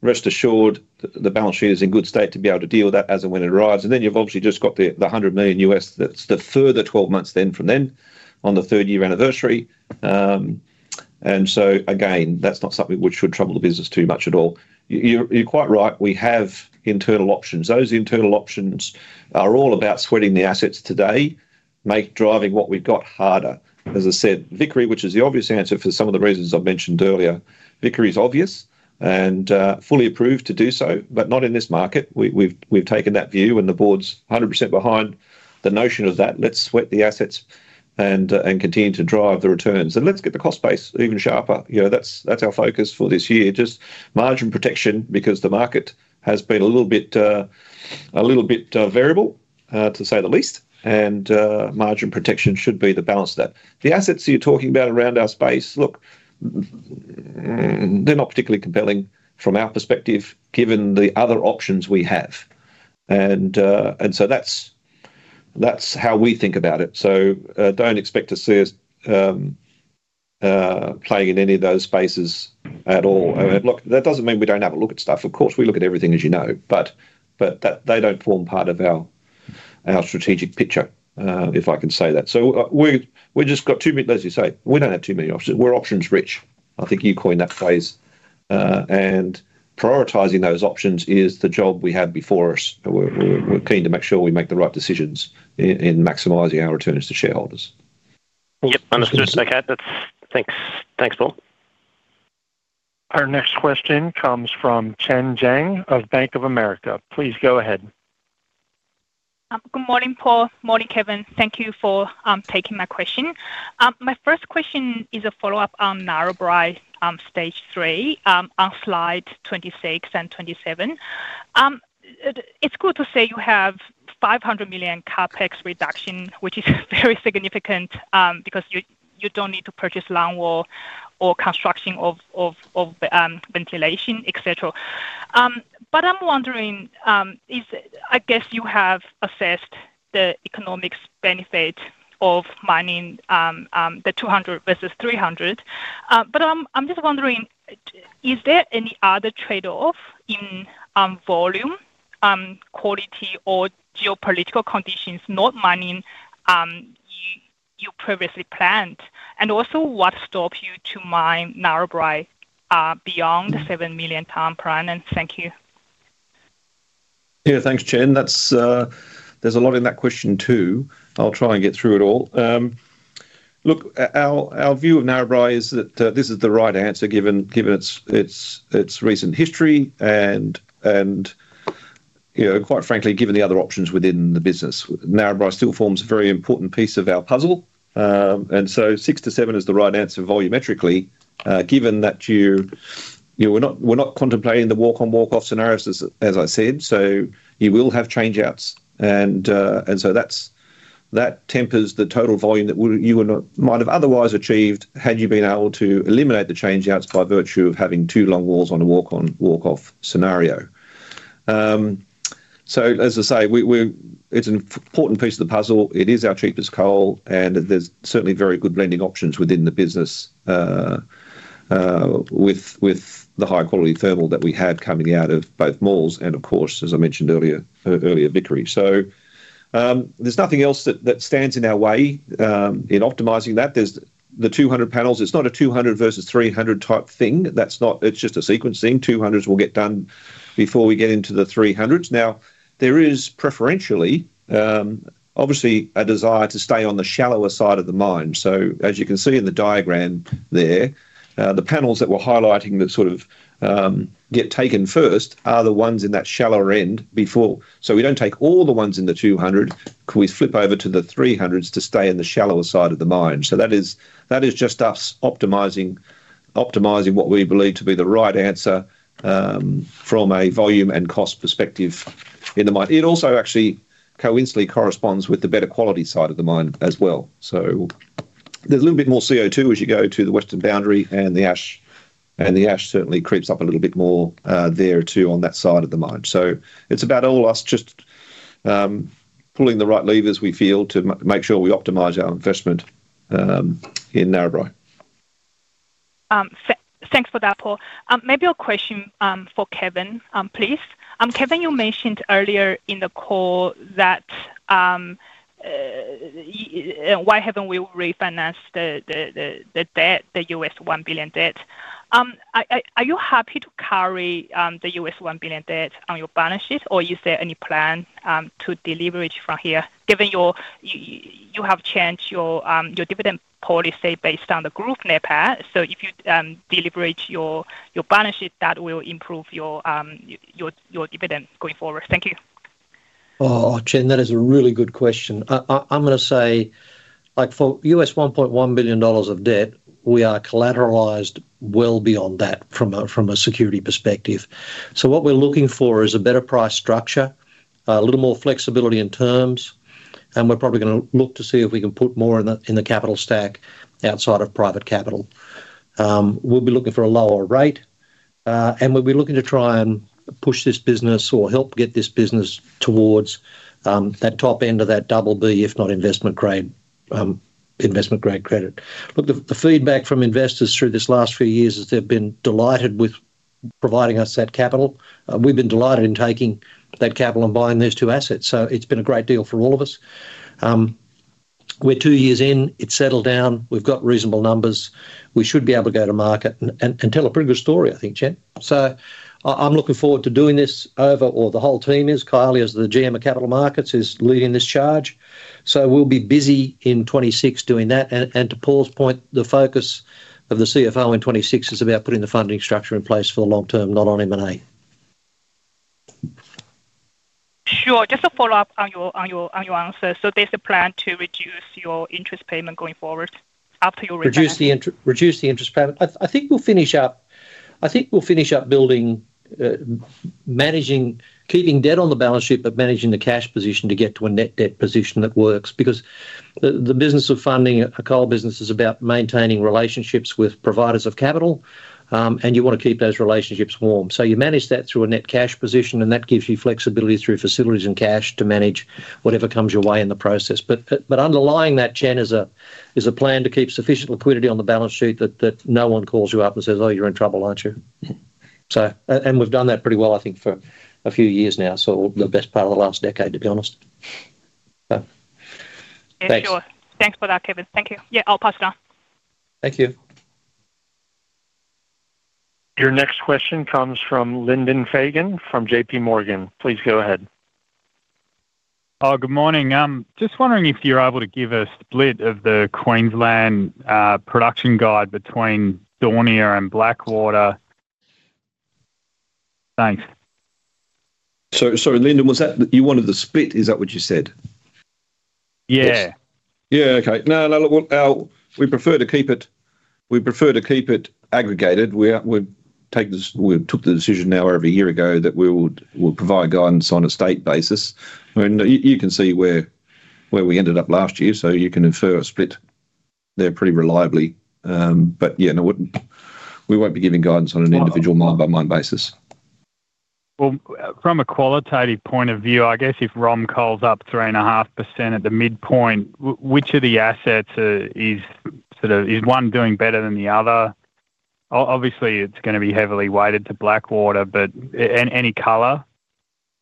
rest assured the balance sheet is in good state to be able to deal with that as and when it arrives. You've obviously just got the $100 million, that's the further 12 months, then from then on the third year anniversary, and again that's not something which would trouble the business too much at all. You're quite right, we have internal options. Those internal options are all about sweating the assets today, making driving what we've got harder. As I said, Vickery, which is the obvious answer for some of the reasons I've mentioned earlier, Vickery is obvious and fully approved to do so, but not in this market. We've taken that view and the board's 100% behind the notion of that. Let's sweat the assets and continue to drive the returns and let's get the cost base even sharper. That's our focus for this year, just margin protection, because the market has been a little bit variable to say the least, and margin protection should be the balance of that. The assets you're talking about around our space, they're not particularly compelling from our perspective given the other options we have, and that's how we think about it. Don't expect to see us playing in any of those spaces at all. That doesn't mean we don't have a look at stuff, of course we look at everything as you know, but they don't form part of our strategic picture, if I can say that. We've just got two, as you say, we don't have too many options. We're options rich. I think you coined that phrase. Prioritizing those options is the job we have before us. We're keen to make sure we make the right decisions in maximizing our returns to shareholders. Yep, understood. Okay, thanks. Thanks, Paul. Our next question comes from Chen Jiang of Bank of America. Please go ahead. Good morning Paul. Morning Kevin. Thank you for taking my question. My first question is a follow up on Narrabri Stage 3 on slide 26 and 27. It's good to see you have 500 million CapEx reduction, which is very significant because you don't need to purchase longwall or construction of ventilation, et cetera. I'm wondering, I guess you have assessed the economics benefit of mining the 200 versus 300, but I'm just wondering is there any other trade off in volume, quality, or geopolitical conditions not mining you previously planned? Also, what stops you to mine Narrabri beyond the 7 million tons per annum? Thank you. Yeah, thanks Jiang, that's. There's a lot in that question too. I'll try and get through it all. Look, our view of Narrabri is that this is the right answer given its recent history and, you know, quite frankly given the other options within the business, Narrabri still forms a very important piece of our puzzle and so six to seven is the right answer volumetrically given that you, you know, we're not contemplating the walk on walk off scenarios as I said. You will have change outs and that tempers the total volume that you might have otherwise achieved had you been able to eliminate the change outs by virtue of having two longwalls on a walk on, walk off scenario. As I say, it's an important piece of the puzzle. It is our cheapest coal and there's certainly very good lending options within the business with the high quality thermal that we have coming out of both mines and, of course, as I mentioned earlier, Vickery, so there's nothing else that stands in our way in optimizing that. There's the 200 panels. It's not a 200 versus 300 type thing. It's just a sequencing; 200s will get done before we get into the 300s. Now, there is preferentially obviously a desire to stay on the shallower side of the mine. As you can see in the diagram there, the panels that we're highlighting that sort of get taken first are the ones in that shallower end before. We don't take all the ones in the 200. We flip over to the 300s to stay in the shallower side of the mine. That is just us optimizing what we believe to be the right answer from a volume and cost perspective in the mine. It also actually coincidentally corresponds with the better quality side of the mine as well. There's a little bit more CO2 as you go to the western boundary and the ash certainly creeps up a little bit more there too on that side of the mine. It's about all us just pulling the right levers we feel to make sure we optimize our investment in Narrabri. Thanks for that, Paul. Maybe a question for Kevin, please. Kevin, you mentioned earlier in the call that why haven't we refinanced the $1 billion debt? Are you happy to carry the $1 billion debt on your balance sheet, or is there any plan to deleverage from here given you have changed your dividend policy based on the group NPAT? If you deleverage your balance sheet, that will improve your dividends going forward. Thank you. Oh Chen, that is a really good question. I'm going to say, like for us, $1.1 billion of debt, we are collateralized well beyond that from a security perspective. What we're looking for is a better price structure, a little more flexibility in terms, and we're probably going to look to see if we can put more in the capital stack outside of private capital. We'll be looking for a lower rate and we'll be looking to try and push this business or help get this business towards that top end of that double B, if not investment grade, investment grade credit. The feedback from investors through this last few years is they've been delighted with providing us that capital. We've been delighted in taking that capital and buying these two assets. It's been a great deal for all of us. We're two years in, it's settled down, we've got reasonable numbers, we should be able to go to market and tell. A pretty good story, I think. I'm looking forward to doing this over, the whole team is. Kylie, as the GM of Capital Markets, is leading this charge. We'll be busy in 2026 doing that. To Paul's point, the focus of the CFO in 2026 is about putting the funding structure in place for the long term, not on M&A. Sure. Just a follow up on your answer. There's a plan to reduce your interest payment going forward after you retire? Reduce the interest payment. I think we'll finish up building, managing, keeping debt on the balance sheet, but managing the cash position to get to a net debt position. That works because the business of funding a coal business is about maintaining relationships with providers of capital, and you want to keep those relationships warm. You manage that through a net cash position, and that gives you flexibility through facilities and cash to manage whatever comes your way in the process. Underlying that, Chen, is a plan to keep sufficient liquidity on the balance sheet that no one calls you up and says, oh, you're in trouble, aren't you? We've done that pretty well, I think, for a few years now, the best part of the last decade, to be honest. Sure. Thanks for that, Kevin. Thank you. Yeah, I'll pass it on. Thank you. Your next question comes from Lyndon Fagan from JPMorgan. Please go ahead. Oh, good morning. Just wondering if you're able to give a split of the Queensland production guide between Daunia and Blackwater. Thanks. Sorry, Lyndon, was that what you wanted, the split? Is that what you said? Yeah, okay. No, we prefer to keep it aggregated. We took the decision now over a year ago that we would provide guidance on a state basis, and you can see where we ended up last year. You can infer a split there pretty reliably, but we won't be giving guidance on an individual mine-by-mine basis. From a qualitative point of view, I guess if ROM coal's up 3.5% at the midpoint, which of the assets is one doing better than the other? Obviously, it's going to be heavily weighted to Blackwater, but any color?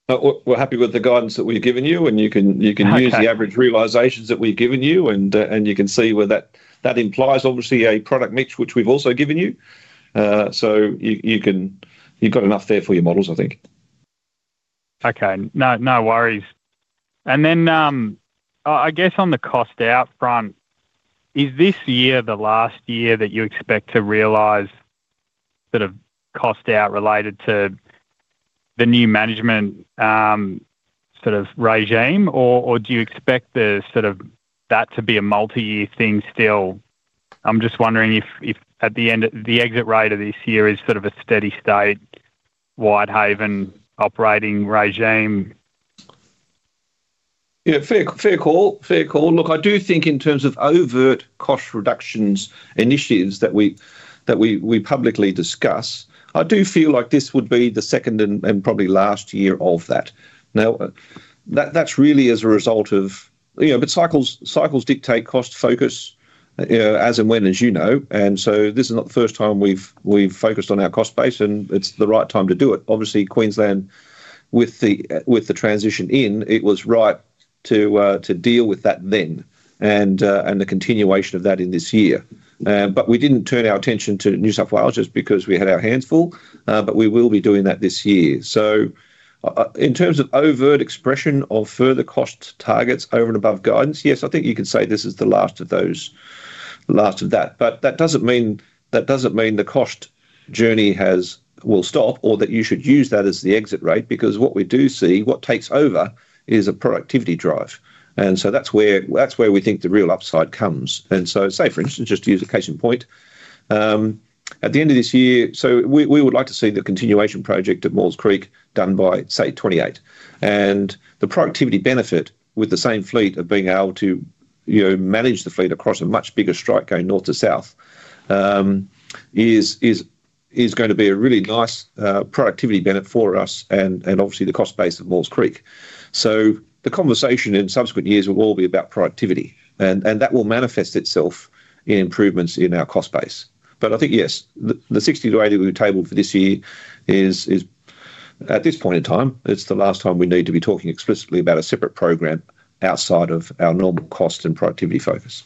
We're happy. With the guidance that we've given you, and you can use the average realizations that we've given you, you can see where that implies, obviously, a product mix which we've also given you. You've got enough there for your models, I think. Okay, no worries. I guess on the cost out front, is this year the last year that you expect to realize sort of cost out related to the new management sort of regime, or do you expect that to be a multi year thing still? I'm just wondering if at the end, the exit rate of this year is sort of a steady state Whitehaven operating regime. Yeah, fair call, fair call. Look, I do think in terms of overt cost reductions initiatives that we publicly discuss, I do feel like this would be the second and probably last year of that. Now that's really as a result of cycles dictate cost focus as and when as you know. This is not the first time we've focused on our cost base and it's the right time to do it. Obviously Queensland with the transition in it was right to deal with that then and the continuation of that in this year. We didn't turn our attention to New South Wales just because we had our hands full. We will be doing that this year. In terms of overt expression of further cost targets over and above guidance, yes I think you can say this is the last of those, last of that. That doesn't mean the cost journey will stop or that you should use that as the exit rate because what we do see what takes over is a productivity drive. That's where we think the real upside comes. Say for instance, just to use a case in point at the end of this year, we would like to see the continuation project at Moores Creek done by say 2028 and the productivity benefit with the same fleet of being able to manage the fleet across a much bigger strike going north to south is going to be a really nice productivity benefit for us. Obviously the cost base of Moores Creek, so the conversation in subsequent years will all be about productivity and that will manifest itself in improvements in our cost base. I think yes, the 60-80 degree table for this year is at this point in time, it's the last time we need to be talking explicitly about a separate program outside of our normal cost and productivity focus.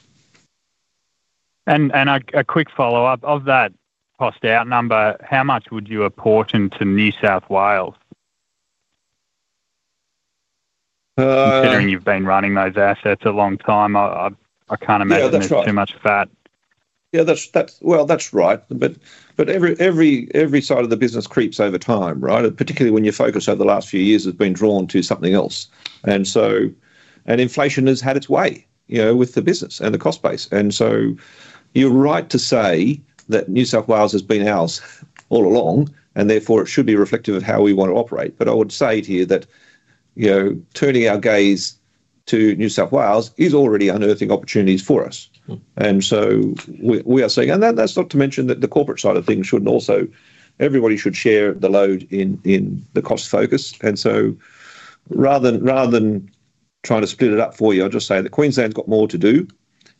A quick follow up of that cost out number. How much would you apportion to New South Wales considering you've been running those assets a long time? I can't imagine too much fat. Yeah, that's right. Every side of the business creeps over time, right? Particularly when your focus over the last few years has been drawn to something else, and inflation has had its way with the business and the cost base. You're right to say that New South Wales has been ours all along, and therefore it should be reflective of how we want to operate. I would say to you that turning our gaze to New South Wales is already unearthing opportunities for us. We are saying, and that's not to mention that the corporate side of things shouldn't also—everybody should share the load in the cost focus. Rather than trying to split it up for you, I'll just say that Queensland's got more to do.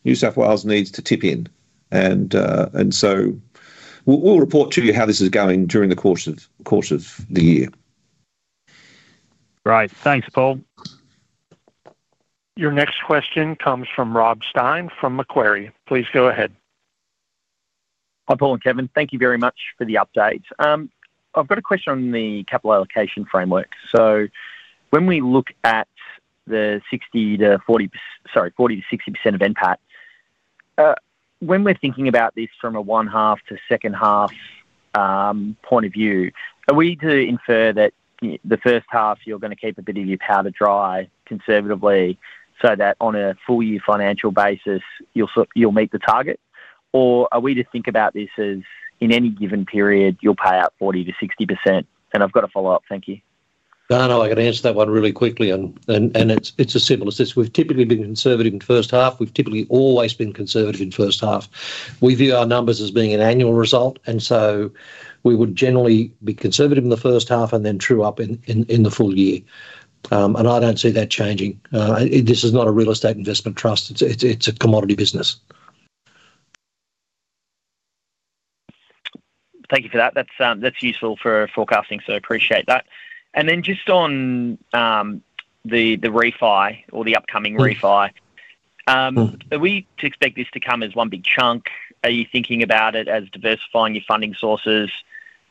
New South Wales needs to tip in, and we'll report to you how this is going during the course of the year. Right, thanks, Paul. Your next question comes from Rob Stein from Macquarie. Please go ahead. Hi Paul and Kevin. Thank you very much for the update. I've got a question on the capital allocation framework. When we look at the 40%-60% of NPAT, when we're thinking about this from a half to second half point of view, are we to infer that the first half you're going to keep a bit of your powder dry, conservatively, so that on a full year financial basis you'll meet the target or are we to think about this as in any given period you'll pay out 40%-60%? I've got a follow up. Thank you. I can answer that one really quickly. It's as simple as this. We've typically been conservative in first half. We've typically always been conservative in first half. We view our numbers as being an annual result, so we would generally be conservative in the first half and then true up in the full year. I don't see that changing. This is not a real estate investment trust, it's a commodity business. Thank you for that. That's useful for forecasting. I appreciate that. Just on the refi or the upcoming refi, we expect this to come as one big chunk. Are you thinking about it as diversifying your funding sources?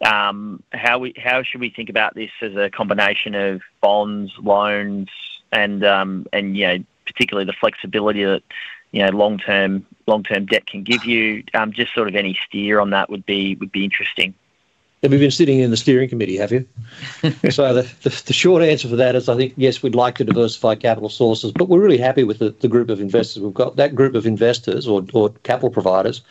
How should we think about this as a combination of bonds, loans, and particularly the flexibility that long term debt can give you? Just any steer on that would be interesting. We've been sitting in the steering committee. Have you? The short answer for that is I think yes, we'd like to diversify capital sources, but we're really happy with the group of investors we've got. That group of investors or capital providers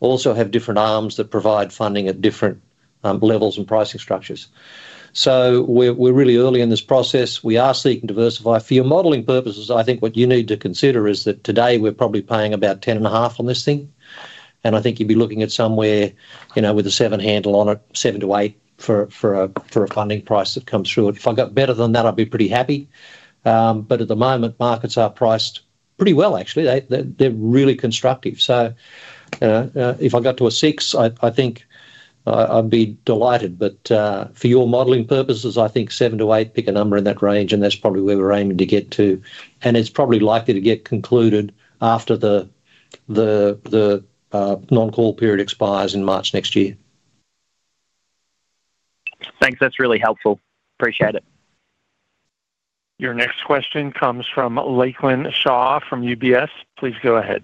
also have different arms that provide funding at different levels and pricing structures. We're really early in this process. We are seeking to diversify for your modeling purposes. I think what you need to consider is that today we're probably paying about 10.5% on this thing and I think you'd be looking at somewhere, you know, with a 7% handle on it, 7%-8% for a funding price that comes through it. If I got better than that I'd be pretty happy. At the moment markets are priced pretty well actually. They're really constructive. If I got to a 6% I think I'd be delighted. For your modeling purposes I think 7%-8%. Pick a number in that range and that's probably where we're aiming to get to and it's probably likely to get concluded after the non call period expires in March next year. Thanks, that's really helpful. Appreciate it. Your next question comes from Lachlan Shaw from UBS. Please go ahead.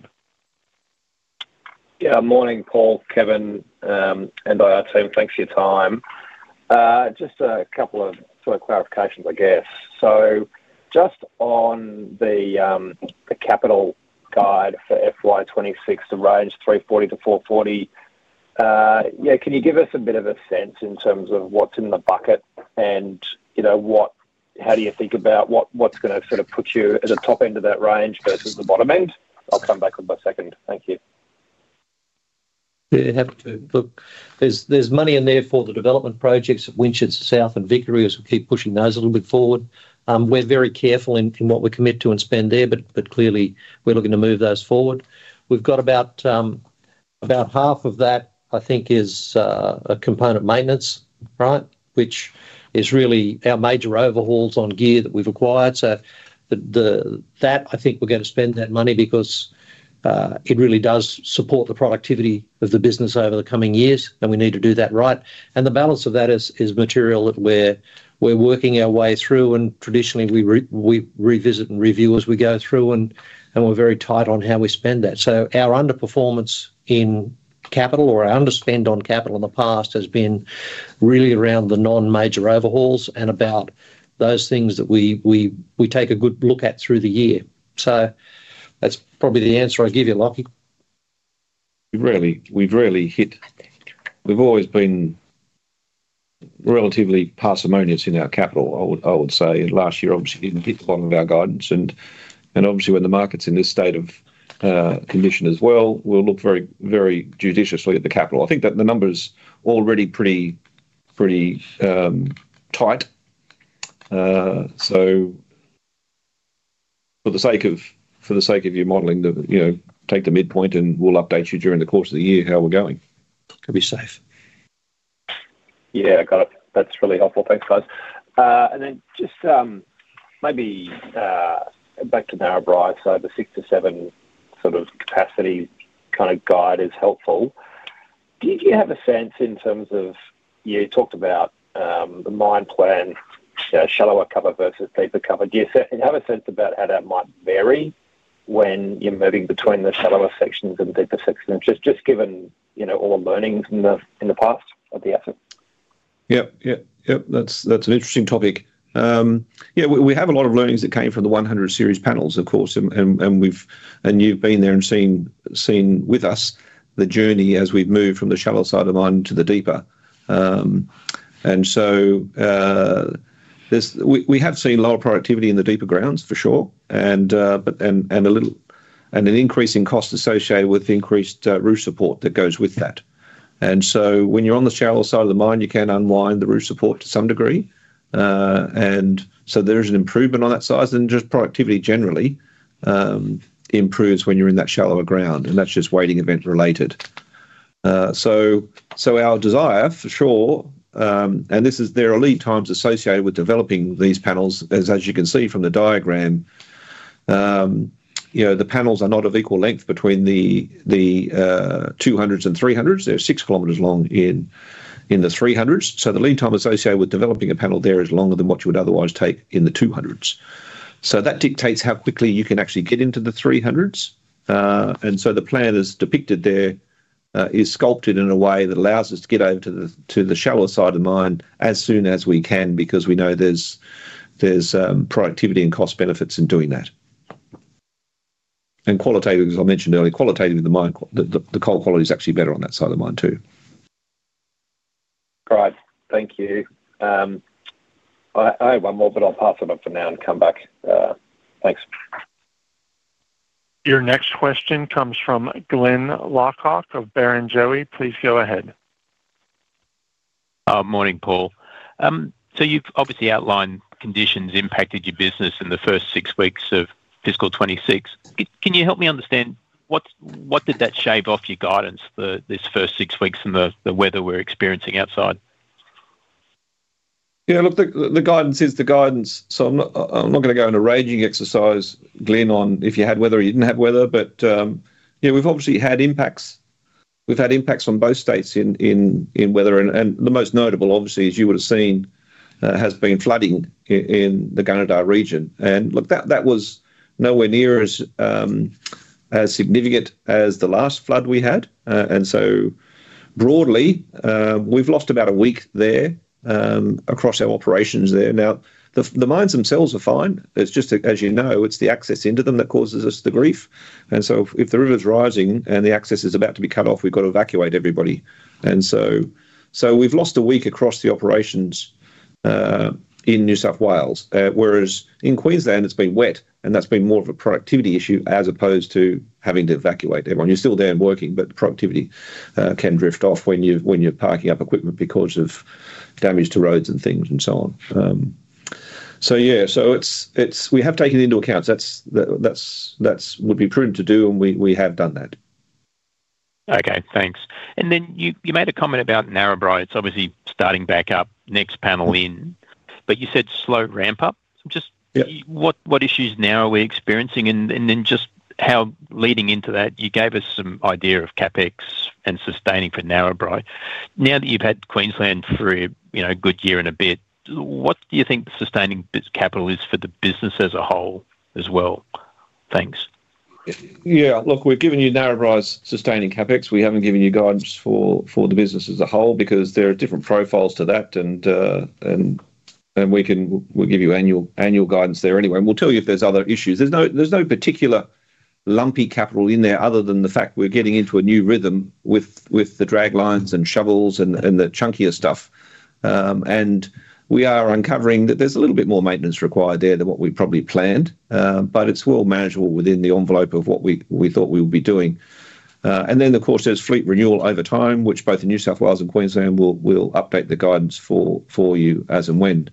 Yeah, morning Paul, Kevin and IR team. Thanks for your time. Just a couple of sort of clarifications I guess. Just on the capital guide for FY 2026, the range 340 million- 440 million. Can you give us a bit of a sense in terms of what's in the bucket market and what, how do you think about what's going to put you at the top end of that range versus the bottom end? I'll come back on my second. Thank you. Happy to. Look, there's money in there for the development projects Winchester South and Vickery as we keep pushing those a little bit forward. We're very careful in what we commit to and spend there, but clearly we're looking to move those forward. We've got about half of that that I think is a component maintenance. Right. Which is really our major overhauls on gear that we've acquired. I think we're going to spend that money because it really does support the productivity of the business over the coming years, and we need to do that. The balance of that is material that we're working our way through, and traditionally we revisit and review as we go through, and we're very tight on how we spend that. Our underperformance in capital or underspend on capital in the past has been really around the non-major overhauls and about those things that we take a good look at through the year. That's probably the answer I give you, Lockie. We've really hit. We've always been relatively parsimonious in our capital. I would say last year obviously didn't hit one of our guidance and obviously when the market's in this state of condition as well, we'll look very, very judiciously at the capital. I think that the number's already pretty, pretty tight. For the sake of your modeling, take the midpoint and we'll update you during the course of the year how we're going to be safe. Yeah, got it. That's really helpful. Thanks guys. Just maybe back to Narrabri. The 6-7 sort of capacity kind of guide is helpful. Did you have a sense in terms of, you talked about the mine plan, shallower cover versus deeper cover. Do you have a sense about how that might vary when you're moving between the shallower sections and deeper sections, just given all the learnings in the past of the. That's an interesting topic. We have a lot of learnings that came from the 100 series panels, of course. You've been there and seen with us the journey as we've moved from the shallow side of the mine to the deeper. We have seen lower productivity in the deeper grounds for sure, and an increase in costs associated with increased roof support that goes with that. When you're on the shallow side of the mine, you can unwind the roof support to some degree, so there's an improvement on that side and just productivity generally improves when you're in that shallower ground. That's just weighting event related. Our desire for sure, and this is the lead times associated with developing these panels. As you can see from the diagram, the panels are not of equal length between the 200s and 300s. They're six kilometers long in the 300s, so the lead time associated with developing a panel there is longer than what you would otherwise take in the 200s. That dictates how quickly you can actually get into the 300s. The plan as depicted there is sculpted in a way that allows us to get over to the shallow side of the mine as soon as we can because we know there's productivity and cost benefits in doing that. Qualitative, as I mentioned earlier, in the mine, the coal quality is actually better on that side of the mine too. All right, thank you. I have one more, but I'll pass for now and come back. Thanks. Your next question comes from Glyn Lawcock of Barrenjoey. Please go ahead. Morning, Paul. You've obviously outlined conditions impacted your business in the first six weeks of fiscal 2026. Can you help me understand what did that shave off your guidance this first six weeks and the weather we're experiencing outside. Yeah, look, the guidance is the guidance. I'm not going to go into a raging exercise, Glenn, on if you had weather or you didn't have weather, but we've obviously had impacts. We've had impacts on both states in weather. The most notable, obviously, as you would have seen, has been flooding in the Kannadar region. That was nowhere near as significant as the last flood we had. Broadly, we've lost about a week there across our operations there. Now, the mines themselves are fine. It's just, as you know, it's the access into them that causes us the grief. If the river's rising and the access is about to be cut off, we've got to evacuate everybody. We've lost a week across the operations in New South Wales, whereas in Queensland it's been wet. That's been more of a productivity issue as opposed to having to evacuate everyone. You're still there and working, but productivity can drift off when you're parking up equipment because of damage to roads and things and so on. We have taken into account, that's, that's, that would be prudent to do and we have done that. Okay, thanks. You made a comment about Narrabri. It's obviously starting back up, next panel in. You said slow ramp up. Just what issues now are we experiencing, and just how, leading into that, you gave us some idea of CapEx and sustaining for Narrabri. Now that you've had Queensland for, you know, a good year and a bit, what do you think the sustaining capital is for the business as a whole as well? Thanks. Yeah. Look, we've given you Narrabri sustaining capex. We haven't given you guidance for the business as a whole because there are different profiles to that. We'll give you annual guidance there anyway and we'll tell you if there's other issues. There's no particular lumpy capital in there other than the fact we're getting into a new rhythm with the draglines and shovels and the chunkier stuff. We are uncovering that there's a little bit more maintenance required there than what we probably planned, but it's well manageable within the envelope of what we thought we would be doing. Of course, there's fleet renewal over time, which both in New South Wales and Queensland will update the guidance for you as and when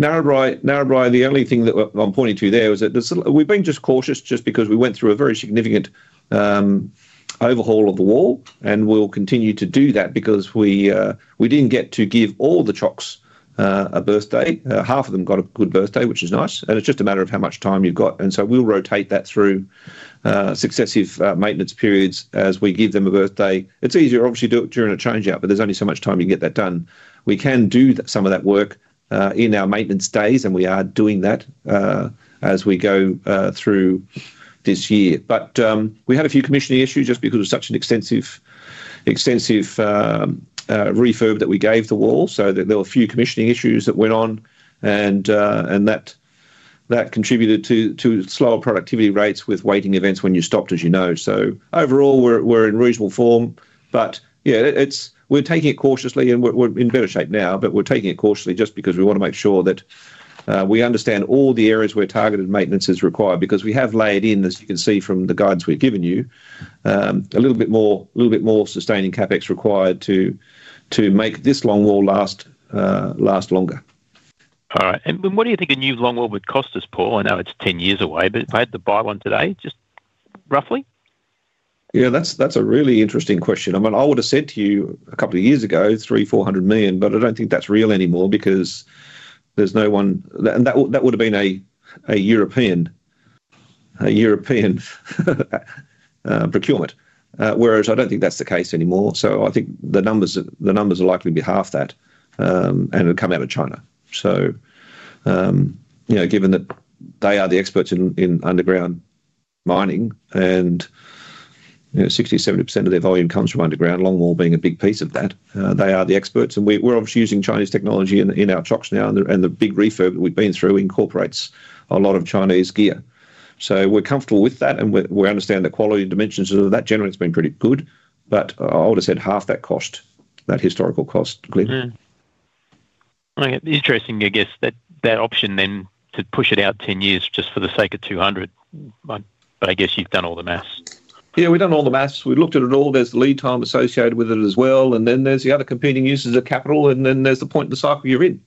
Narrabri. The only thing that I'm pointing to there is that we've been just cautious just because we went through a very significant overhaul of the longwall and we'll continue to do that because we didn't get to give all the chocks a birthday. Half of them got a good birthday, which is nice. It's just a matter of how much time you've got. We'll rotate that through successive maintenance periods as we give them a birthday. It's easier, obviously, to do it during a changeout, but there's only so much time you can get that done. We can do some of that work in our maintenance days and we are doing that as we go through this year. We had a few commissioning issues just because of such an extensive, extensive refurb that we gave the longwall, so there were a few commissioning issues that went on and that contributed to slower productivity rates with waiting events when you stopped, as you know. Overall, we're in reasonable form. We're taking it cautiously and we're in better shape now. We're taking it cautiously just because we want to make sure that we understand all the areas where targeted maintenance is required, because we have laid in, as you can see from the guidance we've given you, a little bit more, a little bit more sustaining capex required to make this longwall last longer. All right, what do you think a new longwall would cost us, Paul? I know it's 10 years away, but if I had to buy one today, just roughly. Yeah, that's a really interesting question. I mean, I would have said to you a couple of years ago, 300 million-400 million, but I don't think that's real anymore because there's no one. That would have been a European procurement, whereas I don't think that's the case anymore. I think the numbers will likely be half that and it'll come out of China. Given that they are the experts in underground mining and 60%-70% of their volume comes from underground, longwall being a big piece of that, they are the experts and we're obviously using Chinese technology in our trucks now. The big refurb that we've been through incorporates a lot of Chinese gear, so we're comfortable with that and we understand the quality dimensions. Generally, it's been pretty good. I would have said half that cost, that historical cost. Clear. Interesting. I guess that option then to push it out 10 years just for the sake of 200. I guess you've done all the maths? Yeah, we've done all the maths. We looked at it all. There's lead time associated with it as well, and then there's the other competing uses of capital, and then there's the point in the cycle you're in.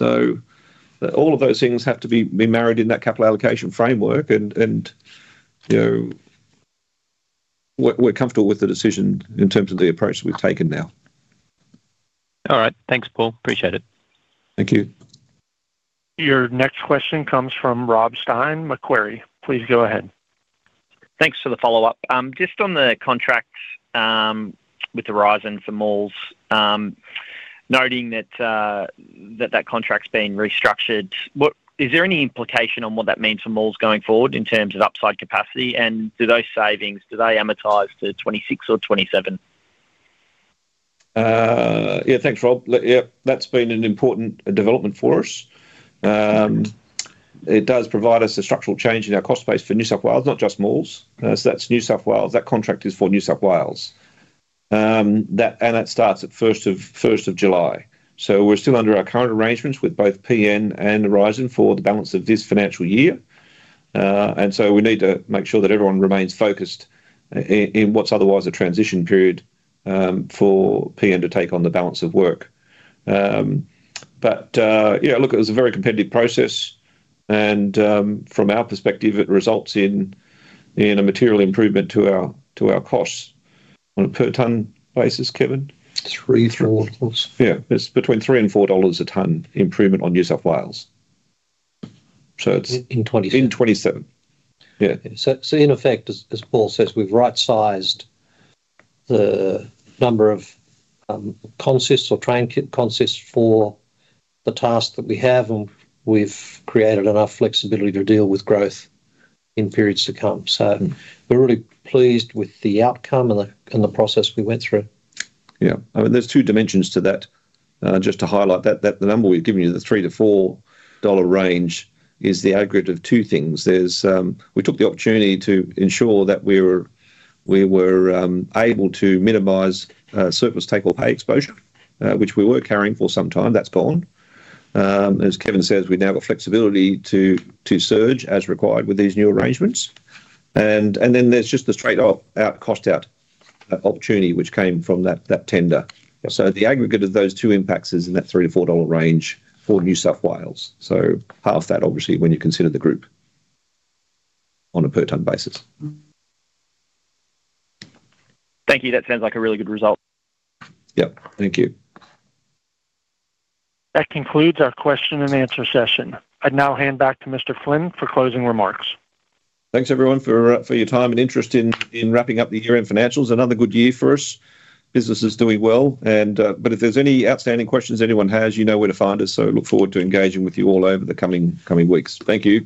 All of those things have to be married in that capital allocation framework, and we're comfortable with the decision in terms of the approach we've taken now. All right, thanks Paul. Appreciate it. Thank you. Your next question comes from Rob Stein Macqurie, please go ahead. Thanks for the follow up. Just on the contracts with Horizon for malls, noting that that contract's been restructured, is there any implication on what that means for malls going forward in terms of upside capacity? Do those savings, do they amortize to 2026 or 2027? Yeah, thanks, Rob. That's been an important development for us. It does provide us a structural change in our cost base for New South Wales, not just mines. That contract is for New South Wales and that starts on July 1. We're still under our current arrangements with both PN and Aurizon for the balance of this financial year. We need to make sure that everyone remains focused in what's otherwise a transition period for PN to take on the balance of work. It was a very competitive process and from our perspective it results in a material improvement to our costs on a per ton basis. Kevin? 3-4 dollars. Yeah, it's between 3-4 dollars a ton improvement on New South Wales, so it's in 2027. Yeah. In effect, as Paul says, we've right sized the number of consists or train kit consists for the task that we have, and we've created enough flexibility to deal with growth in periods to come. We're really pleased with the outcome and the process we went through. Yeah, I mean there's two dimensions to that. Just to highlight that the number we've given you, the 3-4 dollar range, is the aggregate of two things. We took the opportunity to ensure that we were able to minimize surplus take or pay exposure, which we were carrying for some time. That's gone. As Kevin says, we've now got flexibility to surge as required with these new arrangements. Then there's just the straight out cost out opportunity which came from that tender. The aggregate of those two impacts is in that 3-4 dollar range for New South Wales. Half that, obviously, when you consider the group on a per ton basis. Thank you. That sounds like a really good result. Thank you. That concludes our question and answer session. I'd now hand back to Mr. Flynn for closing remarks. Thanks everyone for your time and interest in wrapping up the year end financials. Another good year for us. Business is doing well. If there's any outstanding questions anyone has, you know where to find us. Look forward to engaging with you all over the coming weeks. Thank you.